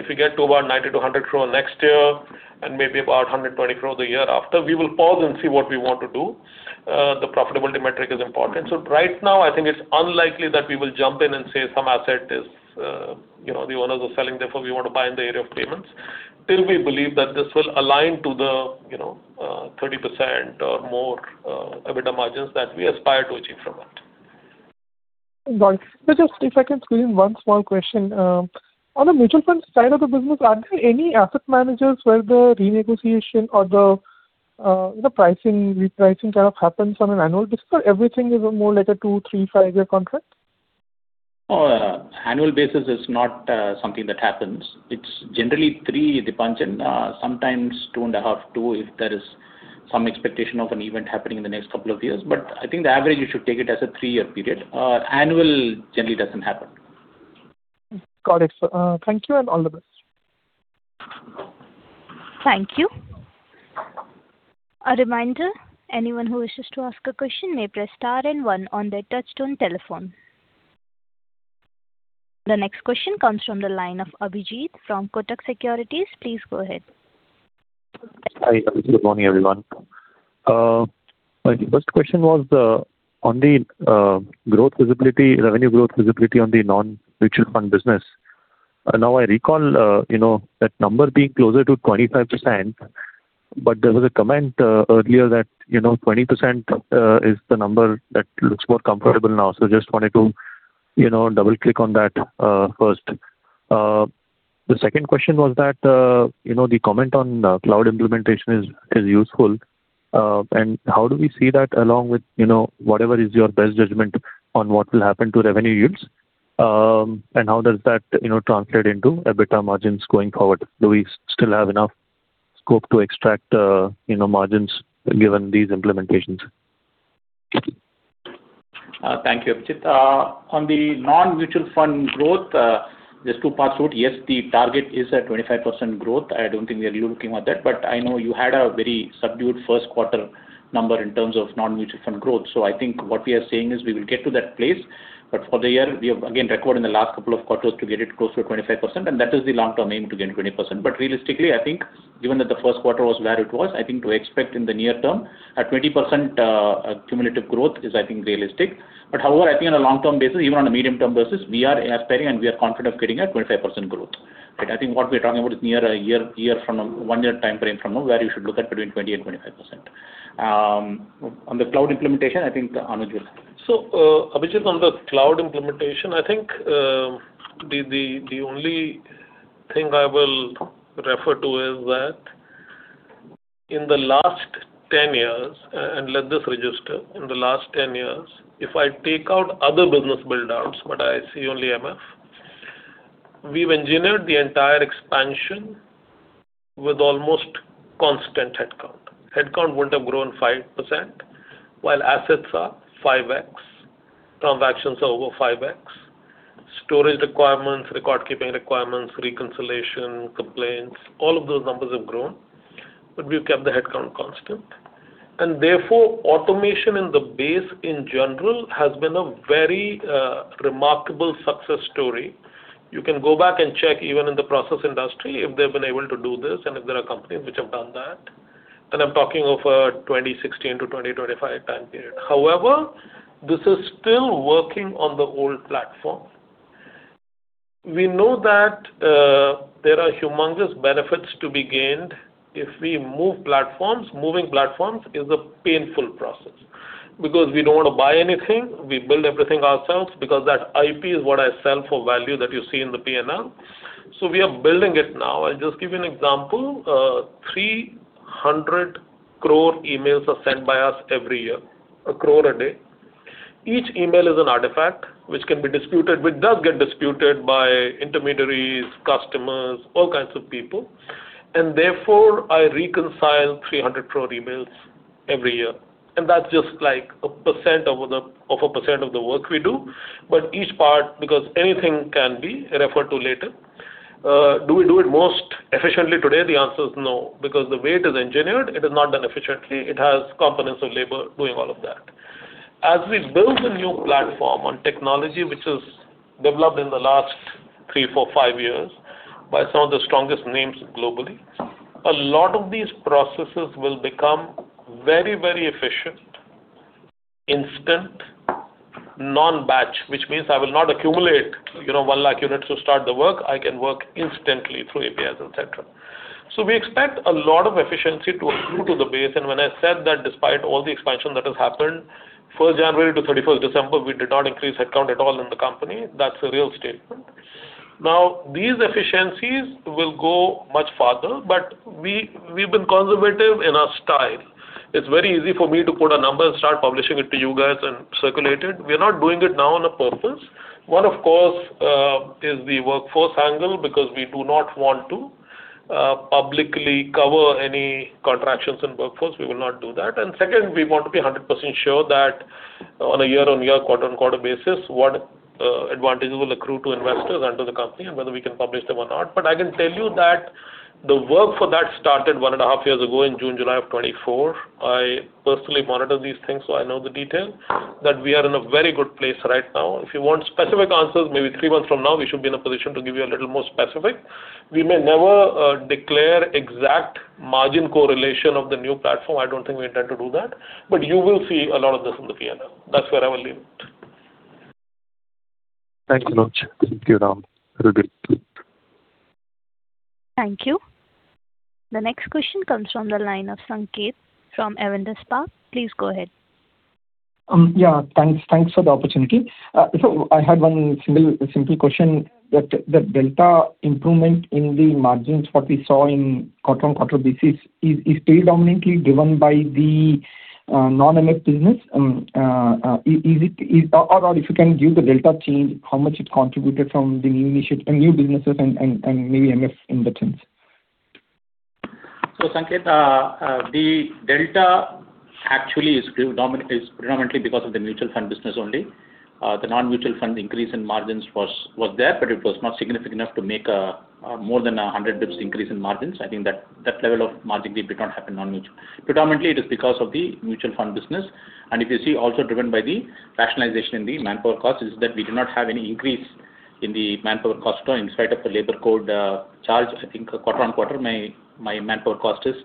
if we get to about 90-100 crore next year and maybe about 120 crore the year after, we will pause and see what we want to do. The profitability metric is important. So right now, I think it's unlikely that we will jump in and say some asset is the owners are selling there, so we want to buy in the area of payments. Still, we believe that this will align to the 30% or more EBITDA margins that we aspire to achieve from it. Right. So just if I can squeeze in one small question. On the mutual fund side of the business, are there any asset managers where the renegotiation or the pricing, repricing kind of happens on an annual basis? Or everything is more like a two, three, five-year contract? Oh, annual basis is not something that happens. It's generally three, Dipanjan, sometimes two and a half, two if there is some expectation of an event happening in the next couple of years. But I think the average, you should take it as a three-year period. Annual generally doesn't happen. Got it. Thank you and all the best. Thank you. A reminder, anyone who wishes to ask a question may press star and one on their touch-tone telephone. The next question comes from the line of Abhijit from Kotak Securities. Please go ahead. Hi. Good morning, everyone. My first question was on the revenue growth visibility on the non-mutual fund business. Now, I recall that number being closer to 25%, but there was a comment earlier that 20% is the number that looks more comfortable now. Just wanted to double-click on that first. The second question was that the comment on cloud implementation is useful. And how do we see that along with whatever is your best judgment on what will happen to revenue yields? And how does that translate into EBITDA margins going forward? Do we still have enough scope to extract margins given these implementations? Thank you, Abhijit. On the non-mutual fund growth, there's two parts to it. Yes, the target is at 25% growth. I don't think we are looking at that. But I know you had a very subdued first quarter number in terms of non-mutual fund growth. So I think what we are saying is we will get to that place. But for the year, we have again recorded in the last couple of quarters to get it close to 25%. And that is the long-term aim to get 20%. But realistically, I think given that the first quarter was where it was, I think to expect in the near term a 20% cumulative growth is, I think, realistic. But however, I think on a long-term basis, even on a medium-term basis, we are aspiring and we are confident of getting a 25% growth. I think what we are talking about is near a year from a one-year time frame from now where you should look at between 20% and 25%. On the cloud implementation, I think Anuj will. So Abhijit, on the cloud implementation, I think the only thing I will refer to is that in the last 10 years, and let this register, in the last 10 years, if I take out other business build-outs, but I see only MF, we've engineered the entire expansion with almost constant headcount. Headcount wouldn't have grown 5%, while assets are 5X, transactions are over 5X, storage requirements, record-keeping requirements, reconciliation, complaints. All of those numbers have grown. But we've kept the headcount constant. And therefore, automation in the base in general has been a very remarkable success story. You can go back and check even in the process industry if they've been able to do this and if there are companies which have done that. And I'm talking of a 2016 to 2025 time period. However, this is still working on the old platform. We know that there are humongous benefits to be gained if we move platforms. Moving platforms is a painful process because we don't want to buy anything. We build everything ourselves because that IP is what I sell for value that you see in the P&L. So we are building it now. I'll just give you an example. 300 crore emails are sent by us every year, a crore a day. Each email is an artifact which can be disputed, which does get disputed by intermediaries, customers, all kinds of people. And therefore, I reconcile 300 crore emails every year. And that's just like a % of a % of the work we do. But each part, because anything can be referred to later, do we do it most efficiently today? The answer is no because the way it is engineered, it is not done efficiently. It has components of labor doing all of that. As we build a new platform on technology, which is developed in the last three, four, five years by some of the strongest names globally, a lot of these processes will become very, very efficient, instant, non-batch, which means I will not accumulate one lakh units to start the work. I can work instantly through APIs, etc. So we expect a lot of efficiency to accrue to the base, and when I said that despite all the expansion that has happened, 1st January to 31st December, we did not increase headcount at all in the company. That's a real statement. Now, these efficiencies will go much farther, but we've been conservative in our style. It's very easy for me to put a number and start publishing it to you guys and circulate it. We are not doing it now on purpose. One, of course, is the workforce angle because we do not want to publicly cover any contractions in workforce. We will not do that, and second, we want to be 100% sure that on a year-on-year, quarter-on-quarter basis, what advantages will accrue to investors and to the company and whether we can publish them or not. But I can tell you that the work for that started one and a half years ago in June, July of 2024. I personally monitor these things, so I know the detail that we are in a very good place right now. If you want specific answers, maybe three months from now, we should be in a position to give you a little more specific. We may never declare exact margin correlation of the new platform. I don't think we intend to do that. But you will see a lot of this in the P&L. That's where I will leave it. Thank you, Anuj. Thank you, Ram. Very good. Thank you. The next question comes from the line of Sanketh from Avendus Spark. Please go ahead. Yeah. Thanks for the opportunity. So I had one simple question. The delta improvement in the margins what we saw in quarter-on-quarter basis is predominantly driven by the non-MF business? Or if you can give the delta change, how much it contributed from the new businesses and maybe MF investments? So Sanketh, the delta actually is predominantly because of the mutual fund business only. The non-mutual fund increase in margins was there, but it was not significant enough to make more than 100 basis points increase in margins. I think that level of margin gap did not happen non-mutual. Predominantly, it is because of the mutual fund business. And if you see, also driven by the rationalization in the manpower cost, is that we do not have any increase in the manpower cost at all in spite of the Labour Code charge. I think quarter-on-quarter, my manpower cost is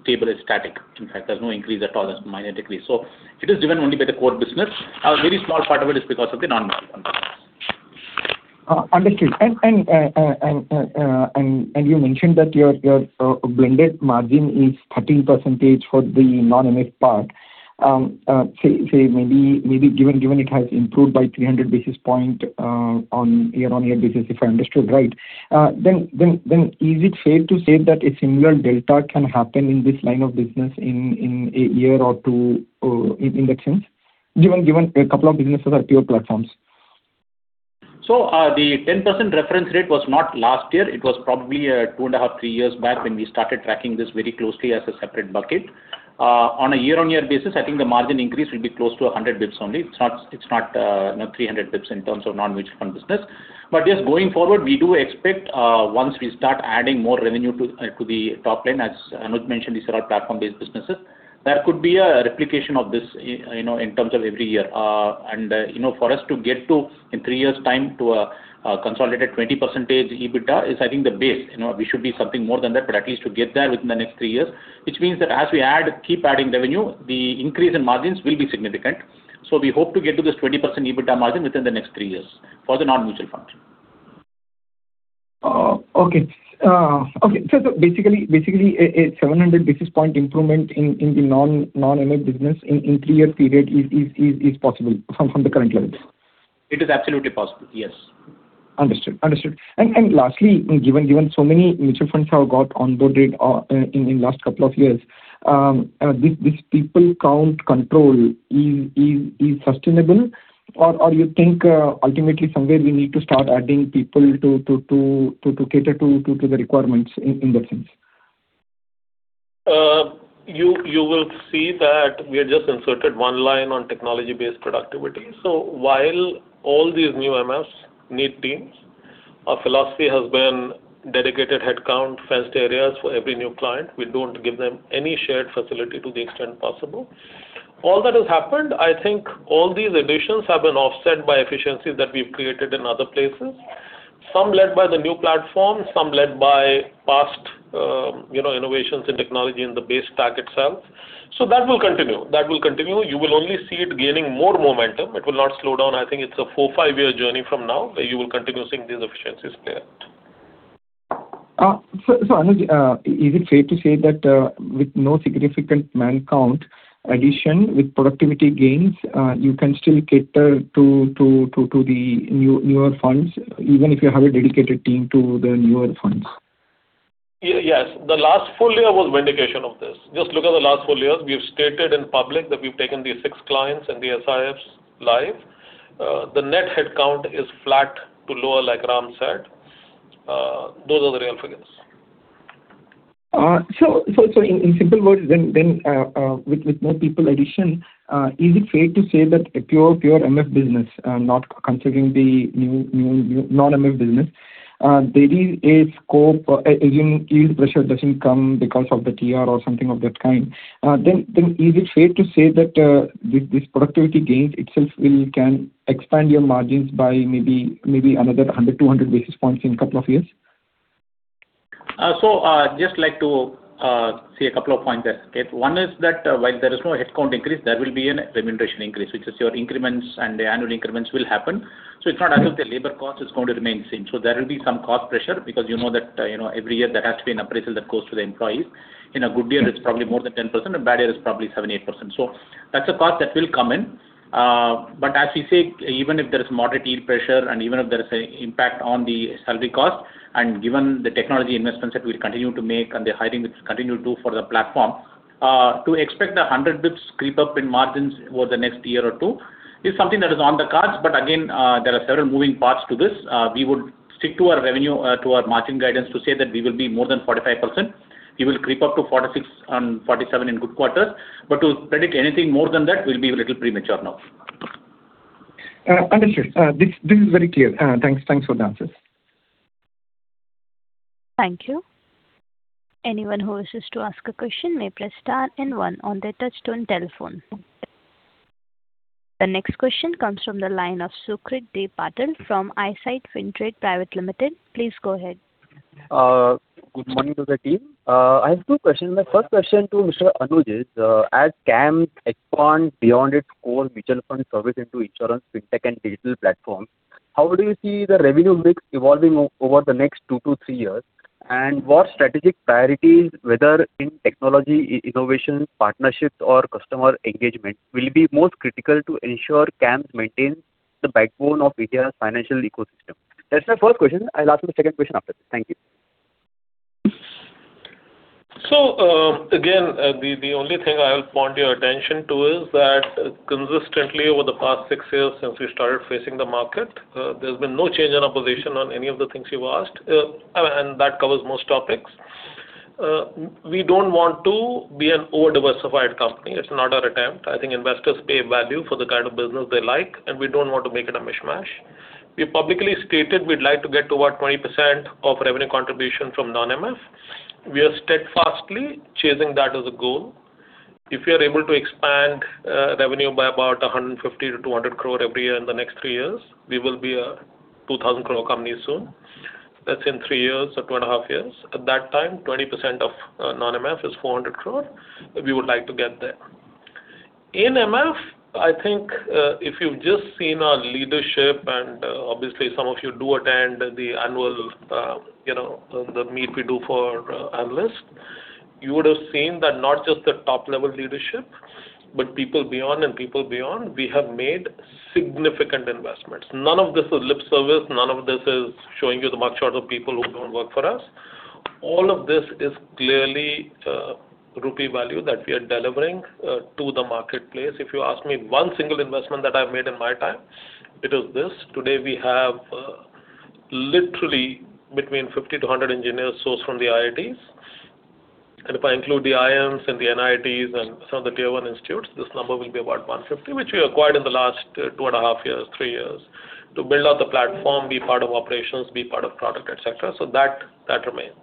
stable, is static. In fact, there's no increase at all. There's minor decrease. It is driven only by the core business. A very small part of it is because of the non-mutual fund business. Understood. And you mentioned that your blended margin is 13% for the non-MF part. Say maybe given it has improved by 300 basis points on year-on-year basis, if I understood right, then is it fair to say that a similar delta can happen in this line of business in a year or two in that sense, given a couple of businesses are pure platforms? So the 10% reference rate was not last year. It was probably two and a half, three years back when we started tracking this very closely as a separate bucket. On a year-on-year basis, I think the margin increase will be close to 100 basis points only. It's not 300 basis points in terms of non-mutual fund business. But just going forward, we do expect once we start adding more revenue to the top line, as Anuj mentioned, these are all platform-based businesses. There could be a replication of this in terms of every year. For us to get to, in three years' time, to a consolidated 20% EBITDA is, I think, the base. We should be something more than that, but at least to get there within the next three years, which means that as we keep adding revenue, the increase in margins will be significant. We hope to get to this 20% EBITDA margin within the next three years for the non-mutual fund. Okay. Okay. So basically, a 700 basis point improvement in the non-MF business in a three-year period is possible from the current level? It is absolutely possible. Yes. Understood. Understood. And lastly, given so many mutual funds have got onboarded in the last couple of years, this people count control is sustainable, or you think ultimately somewhere we need to start adding people to cater to the requirements in that sense? You will see that we have just inserted one line on technology-based productivity. So while all these new MFs need teams, our philosophy has been dedicated headcount, fenced areas for every new client. We don't give them any shared facility to the extent possible. All that has happened. I think all these additions have been offset by efficiencies that we've created in other places, some led by the new platform, some led by past innovations in technology in the base stack itself. So that will continue. That will continue. You will only see it gaining more momentum. It will not slow down. I think it's a four-, five-year journey from now where you will continue seeing these efficiencies play out. So Anuj, is it fair to say that with no significant headcount addition, with productivity gains, you can still cater to the newer funds even if you have a dedicated team to the newer funds? Yes. The last full year was vindication of this. Just look at the last full years. We have stated in public that we've taken the six clients and the AIFs live. The net headcount is flat to lower, like Ram said. Those are the real figures. So in simple words, then with no people addition, is it fair to say that a pure MF business, not considering the non-MF business, there is a scope? Assuming yield pressure doesn't come because of the TER or something of that kind, then is it fair to say that this productivity gain itself can expand your margins by maybe another 100-200 basis points in a couple of years? So I'd just like to see a couple of points there. One is that while there is no headcount increase, there will be a remuneration increase, which is your increments and the annual increments will happen. So it's not as if the labor cost is going to remain the same. So there will be some cost pressure because you know that every year there has to be an appraisal that goes to the employees. In a good year, it's probably more than 10%. In a bad year, it's probably 7%-8%. So that's a cost that will come in. But as we say, even if there is moderate yield pressure and even if there is an impact on the salary cost, and given the technology investments that we'll continue to make and the hiring we'll continue to do for the platform, to expect the 100 basis points creep up in margins over the next year or two is something that is on the cards. But again, there are several moving parts to this. We would stick to our revenue, to our margin guidance to say that we will be more than 45%. We will creep up to 46% and 47% in good quarters. But to predict anything more than that will be a little premature now. Understood. This is very clear. Thanks for the answers. Thank you. Anyone who wishes to ask a question may press star and one on their touch-tone telephone. The next question comes from the line of Sucrit Deep Patil from Insight Fintrade Private Limited. Please go ahead. Good morning to the team. I have two questions. My first question to Mr. Anuj is, as CAMS expands beyond its core mutual fund service into insurance, fintech, and digital platforms, how do you see the revenue mix evolving over the next two to three years? And what strategic priorities, whether in technology innovation, partnerships, or customer engagement, will be most critical to ensure CAMS maintains the backbone of India's financial ecosystem? That's my first question. I'll ask the second question after this. Thank you. So again, the only thing I will point your attention to is that consistently over the past six years since we started facing the market, there's been no change in position on any of the things you've asked, and that covers most topics. We don't want to be an over-diversified company. It's not our attempt. I think investors pay value for the kind of business they like, and we don't want to make it a mishmash. We publicly stated we'd like to get to about 20% of revenue contribution from non-MF. We are steadfastly chasing that as a goal. If we are able to expand revenue by about 150-200 crore every year in the next three years, we will be a 2,000 crore company soon. That's in three years or two and a half years. At that time, 20% of non-MF is 400 crore. We would like to get there. In MF, I think if you've just seen our leadership, and obviously some of you do attend the annual meet we do for analysts, you would have seen that not just the top-level leadership, but people beyond and people beyond, we have made significant investments. None of this is lip service. None of this is showing you the mugshots of people who don't work for us. All of this is clearly Rupee value that we are delivering to the marketplace. If you ask me one single investment that I've made in my time, it is this. Today, we have literally between 50 to 100 engineers sourced from the IITs. If I include the IIMs and the NIITs and some of the tier-one institutes, this number will be about 150, which we acquired in the last two and a half years, three years to build out the platform, be part of operations, be part of product, etc. That remains.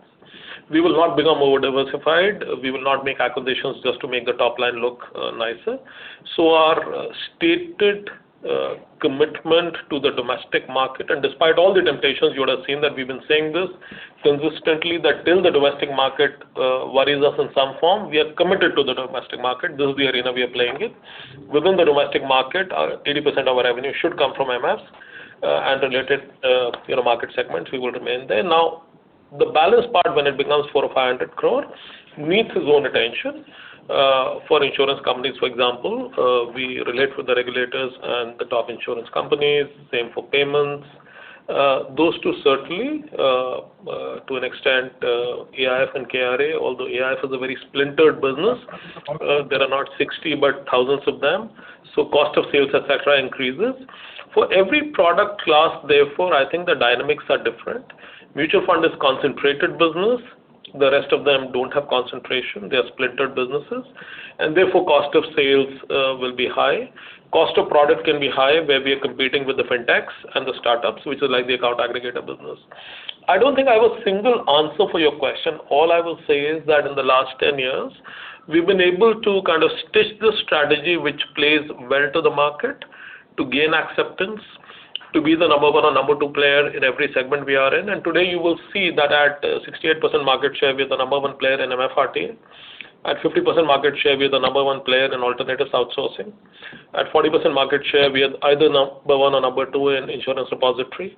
We will not become over-diversified. We will not make acquisitions just to make the top line look nicer. Our stated commitment to the domestic market, and despite all the temptations, you would have seen that we've been saying this consistently that till the domestic market worries us in some form, we are committed to the domestic market. This is the arena we are playing in. Within the domestic market, 80% of our revenue should come from MFs and related market segments. We will remain there. Now, the balance part, when it becomes 400 or 500 crore, needs his own attention. For insurance companies, for example, we relate with the regulators and the top insurance companies. Same for payments. Those two certainly, to an extent, AIF and KRA, although AIF is a very splintered business. There are not 60, but thousands of them. So cost of sales, etc., increases. For every product class, therefore, I think the dynamics are different. Mutual fund is a concentrated business. The rest of them don't have concentration. They are splintered businesses. And therefore, cost of sales will be high. Cost of product can be high where we are competing with the fintechs and the startups, which is like the account aggregator business. I don't think I have a single answer for your question. All I will say is that in the last 10 years, we've been able to kind of stitch the strategy which plays well to the market to gain acceptance, to be the number one or number two player in every segment we are in. And today, you will see that at 68% market share, we are the number one player in MF RTA. At 50% market share, we are the number one player in alternative outsourcing. At 40% market share, we are either number one or number two in insurance repository.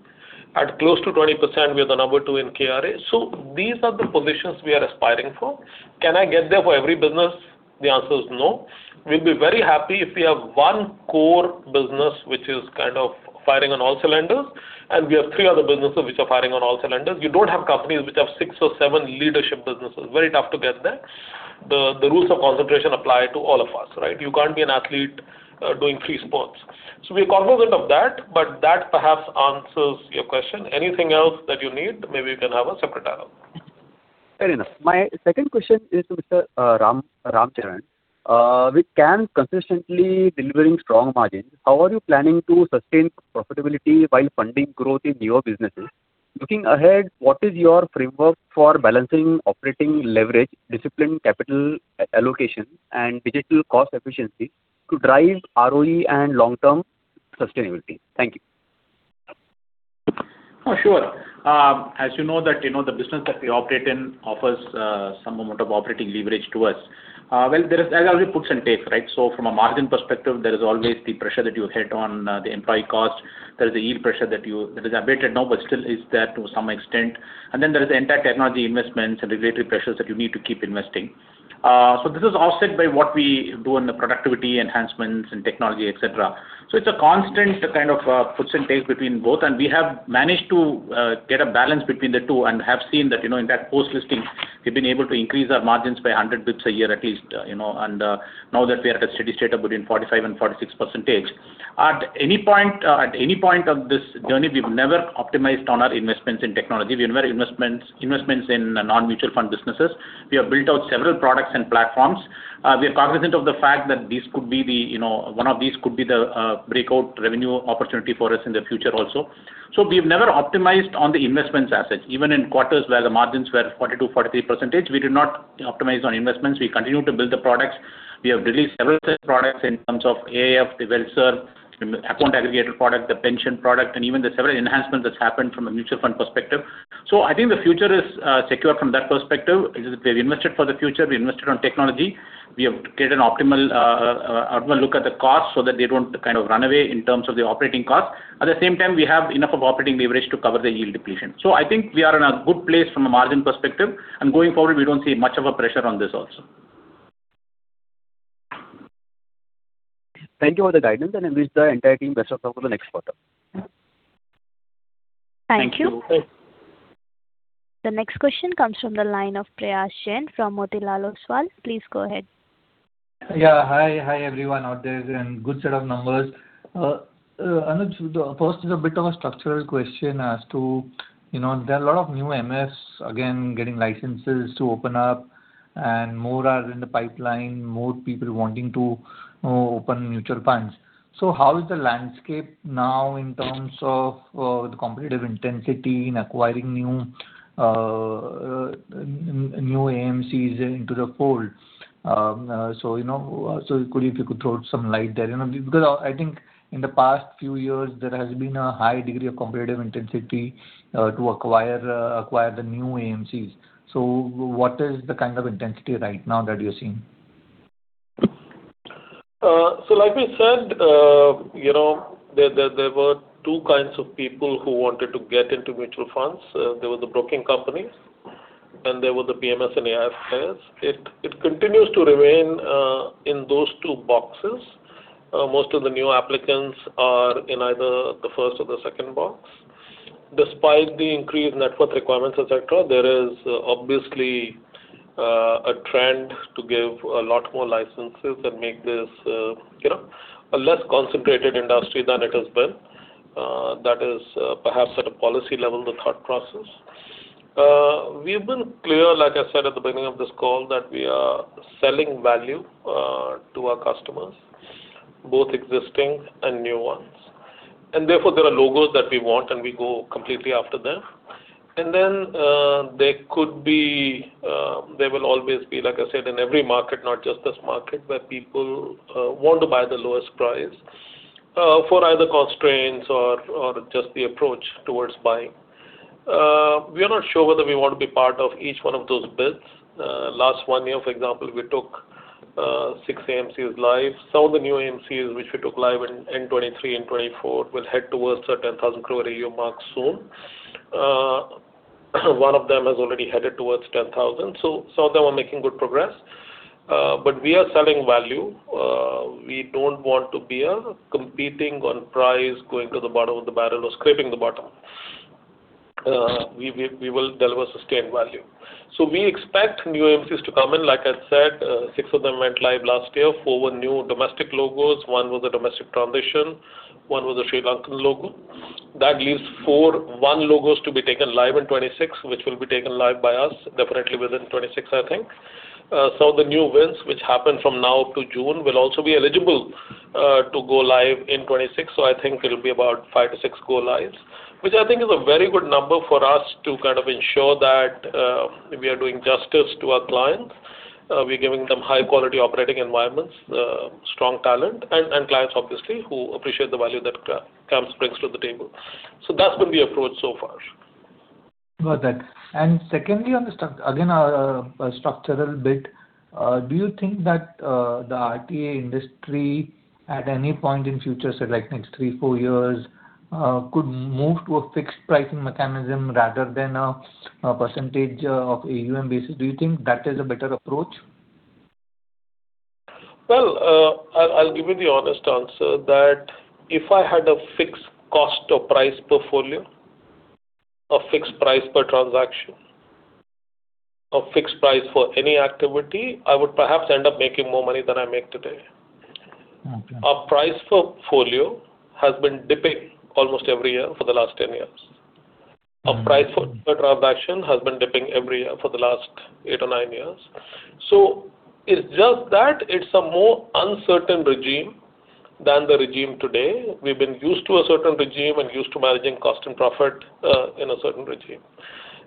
At close to 20%, we are the number two in KRA. So these are the positions we are aspiring for. Can I get there for every business? The answer is no. We'll be very happy if we have one core business which is kind of firing on all cylinders, and we have three other businesses which are firing on all cylinders. You don't have companies which have six or seven leadership businesses. Very tough to get there. The rules of concentration apply to all of us, right? You can't be an athlete doing three sports. So we are cognizant of that, but that perhaps answers your question. Anything else that you need, maybe we can have a separate hour. Fair enough. My second question is to Mr. Ramcharan. With CAMS consistently delivering strong margins, how are you planning to sustain profitability while funding growth in your businesses? Looking ahead, what is your framework for balancing operating leverage, discipline, capital allocation, and digital cost efficiency to drive ROE and long-term sustainability? Thank you. Sure. As you know, the business that we operate in offers some amount of operating leverage to us. Well, there is, as I already put in place, right? So from a margin perspective, there is always the pressure that you hit on the employee cost. There is a yield pressure that is abated now, but still is there to some extent. And then there is the entire technology investments and regulatory pressures that you need to keep investing. So this is offset by what we do in the productivity enhancements and technology, etc. So it's a constant kind of push and pull in place between both, and we have managed to get a balance between the two and have seen that in the post-listing, we've been able to increase our margins by 100 basis points a year at least. And now that we are at a steady state of between 45% and 46%, at any point of this journey, we've never optimized on our investments in technology. We have investments in non-mutual fund businesses. We have built out several products and platforms. We are cognizant of the fact that these could be the, one of these could be the breakout revenue opportunity for us in the future also. So we have never optimized on the investments as such. Even in quarters where the margins were 42%, 43%, we did not optimize on investments. We continue to build the products. We have released several products in terms of AIF, the WealthServ, account aggregator product, the pension product, and even the several enhancements that happened from a mutual fund perspective. So I think the future is secured from that perspective. We've invested for the future. We invested on technology. We have created an optimal look at the cost so that they don't kind of run away in terms of the operating cost. At the same time, we have enough of operating leverage to cover the yield depletion. So I think we are in a good place from a margin perspective. And going forward, we don't see much of a pressure on this also. Thank you for the guidance, and I wish the entire team best of luck for the next quarter. Thank you. Thank you. The next question comes from the line of Prayesh from Motilal Oswal. Please go ahead. Yeah. Hi, hi everyone out there. And good set of numbers. Anuj, first is a bit of a structural question as to there are a lot of new MFs, again, getting licenses to open up, and more are in the pipeline, more people wanting to open mutual funds. So how is the landscape now in terms of the competitive intensity in acquiring new AMCs into the fold? So could you throw some light there? Because I think in the past few years, there has been a high degree of competitive intensity to acquire the new AMCs. So what is the kind of intensity right now that you're seeing? So like we said, there were two kinds of people who wanted to get into mutual funds. There were the broking companies, and there were the PMS and AIF players. It continues to remain in those two boxes. Most of the new applicants are in either the first or the second box. Despite the increased net worth requirements, etc., there is obviously a trend to give a lot more licenses and make this a less concentrated industry than it has been. That is perhaps at a policy level, the thought process. We've been clear, like I said at the beginning of this call, that we are selling value to our customers, both existing and new ones. And therefore, there are logos that we want, and we go completely after them. And then there will always be, like I said, in every market, not just this market, where people want to buy the lowest price for either constraints or just the approach towards buying. We are not sure whether we want to be part of each one of those bids. Last one year, for example, we took six AMCs live. Some of the new AMCs which we took live in FY23, FY24 will head towards the 10,000 crore AUM mark soon. One of them has already headed towards 10,000. So some of them are making good progress. But we are selling value. We don't want to be competing on price, going to the bottom of the barrel, or scraping the bottom. We will deliver sustained value. So we expect new AMCs to come in. Like I said, six of them went live last year. Four were new domestic logos. One was a domestic transition. One was a Sri Lankan logo. That leaves four, one logos to be taken live in 2026, which will be taken live by us, definitely within 2026, I think. So the new wins which happen from now up to June will also be eligible to go live in 2026. So I think it'll be about five to six go lives, which I think is a very good number for us to kind of ensure that we are doing justice to our clients. We're giving them high-quality operating environments, strong talent, and clients, obviously, who appreciate the value that CAMS brings to the table. So that's been the approach so far. Got it. And secondly, on this structural bit, do you think that the RTA industry at any point in future, say like next three, four years, could move to a fixed pricing mechanism rather than a percentage of AUM basis? Do you think that is a better approach? Well, I'll give you the honest answer that if I had a fixed cost or price portfolio, a fixed price per transaction, a fixed price for any activity, I would perhaps end up making more money than I make today. Our price portfolio has been dipping almost every year for the last 10 years. Our price for transaction has been dipping every year for the last eight or nine years. It's just that it's a more uncertain regime than the regime today. We've been used to a certain regime and used to managing cost and profit in a certain regime.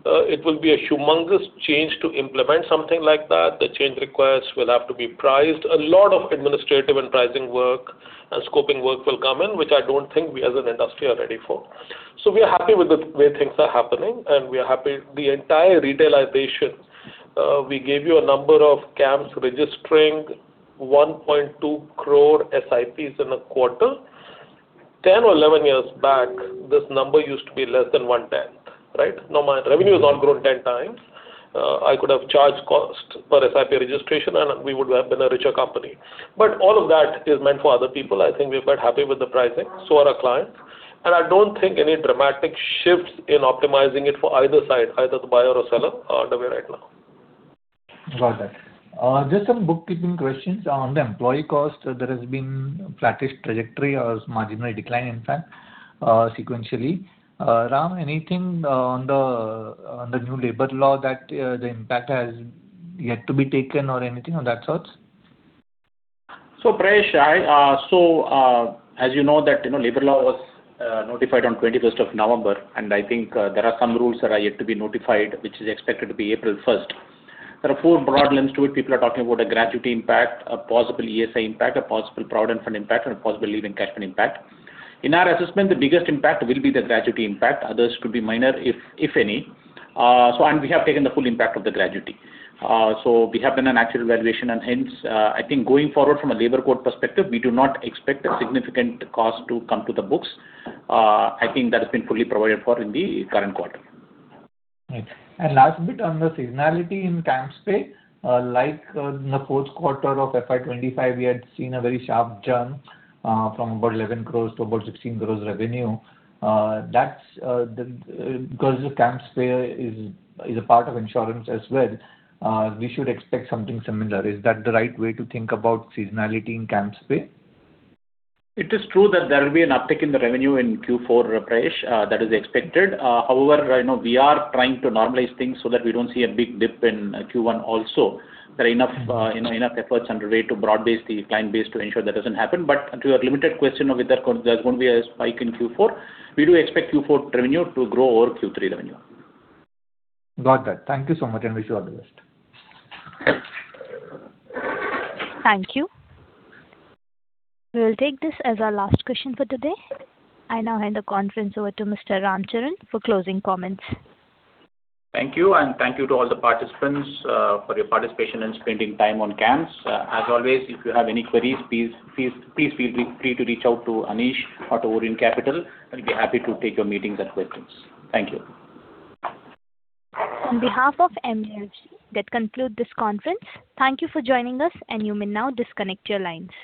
It will be a humongous change to implement something like that. The change requests will have to be priced. A lot of administrative and pricing work and scoping work will come in, which I don't think we as an industry are ready for. We are happy with the way things are happening, and we are happy. The entire retailization, we gave you a number of CAMS registering 1.2 crore SIPs in a quarter. 10 or 11 years back, this number used to be less than one-tenth, right? No matter. Revenue has now grown 10 times. I could have charged cost per SIP registration, and we would have been a richer company. But all of that is meant for other people. I think we're quite happy with the pricing. So are our clients. And I don't think any dramatic shifts in optimizing it for either side, either the buyer or seller, are underway right now. Got it. Just some bookkeeping questions on the employee cost. There has been a flattish trajectory or marginal decline, in fact, sequentially. Ram, anything on the new labor law that the impact has yet to be taken or anything on that sort? So, Prayesh, so as you know, that labor law was notified on 21st of November, and I think there are some rules that are yet to be notified, which is expected to be April 1st. There are four broad limbs to which people are talking about: a gratuity impact, a possible ESI impact, a possible provident fund impact, and a possible leave encashment impact. In our assessment, the biggest impact will be the gratuity impact. Others could be minor, if any. And we have taken the full impact of the gratuity. So we have done an actual evaluation, and hence, I think going forward from a labor cost perspective, we do not expect a significant cost to come to the books. I think that has been fully provided for in the current quarter. Right. And last bit on the seasonality in CAMSPay, like in the fourth quarter of FY25, we had seen a very sharp jump from about 11 crores to about 16 crores revenue. Because CAMSPay is a part of insurance as well, we should expect something similar. Is that the right way to think about seasonality in CAMS share? It is true that there will be an uptick in the revenue in Q4, Prayesh, that is expected. However, we are trying to normalize things so that we don't see a big dip in Q1 also. There are enough efforts underway to broad-base the client base to ensure that doesn't happen. But to your limited question of whether there's going to be a spike in Q4, we do expect Q4 revenue to grow over Q3 revenue. Got that. Thank you so much, and wish you all the best. Thank you. We'll take this as our last question for today. I now hand the conference over to Mr. Ramcharan for closing comments. Thank you, and thank you to all the participants for your participation and spending time on CAMS. As always, if you have any queries, please feel free to reach out to Anish or to Orient Capital, and we'll be happy to take your meetings and questions. Thank you. On behalf of CAMS, that concludes this conference. Thank you for joining us, and you may now disconnect your lines.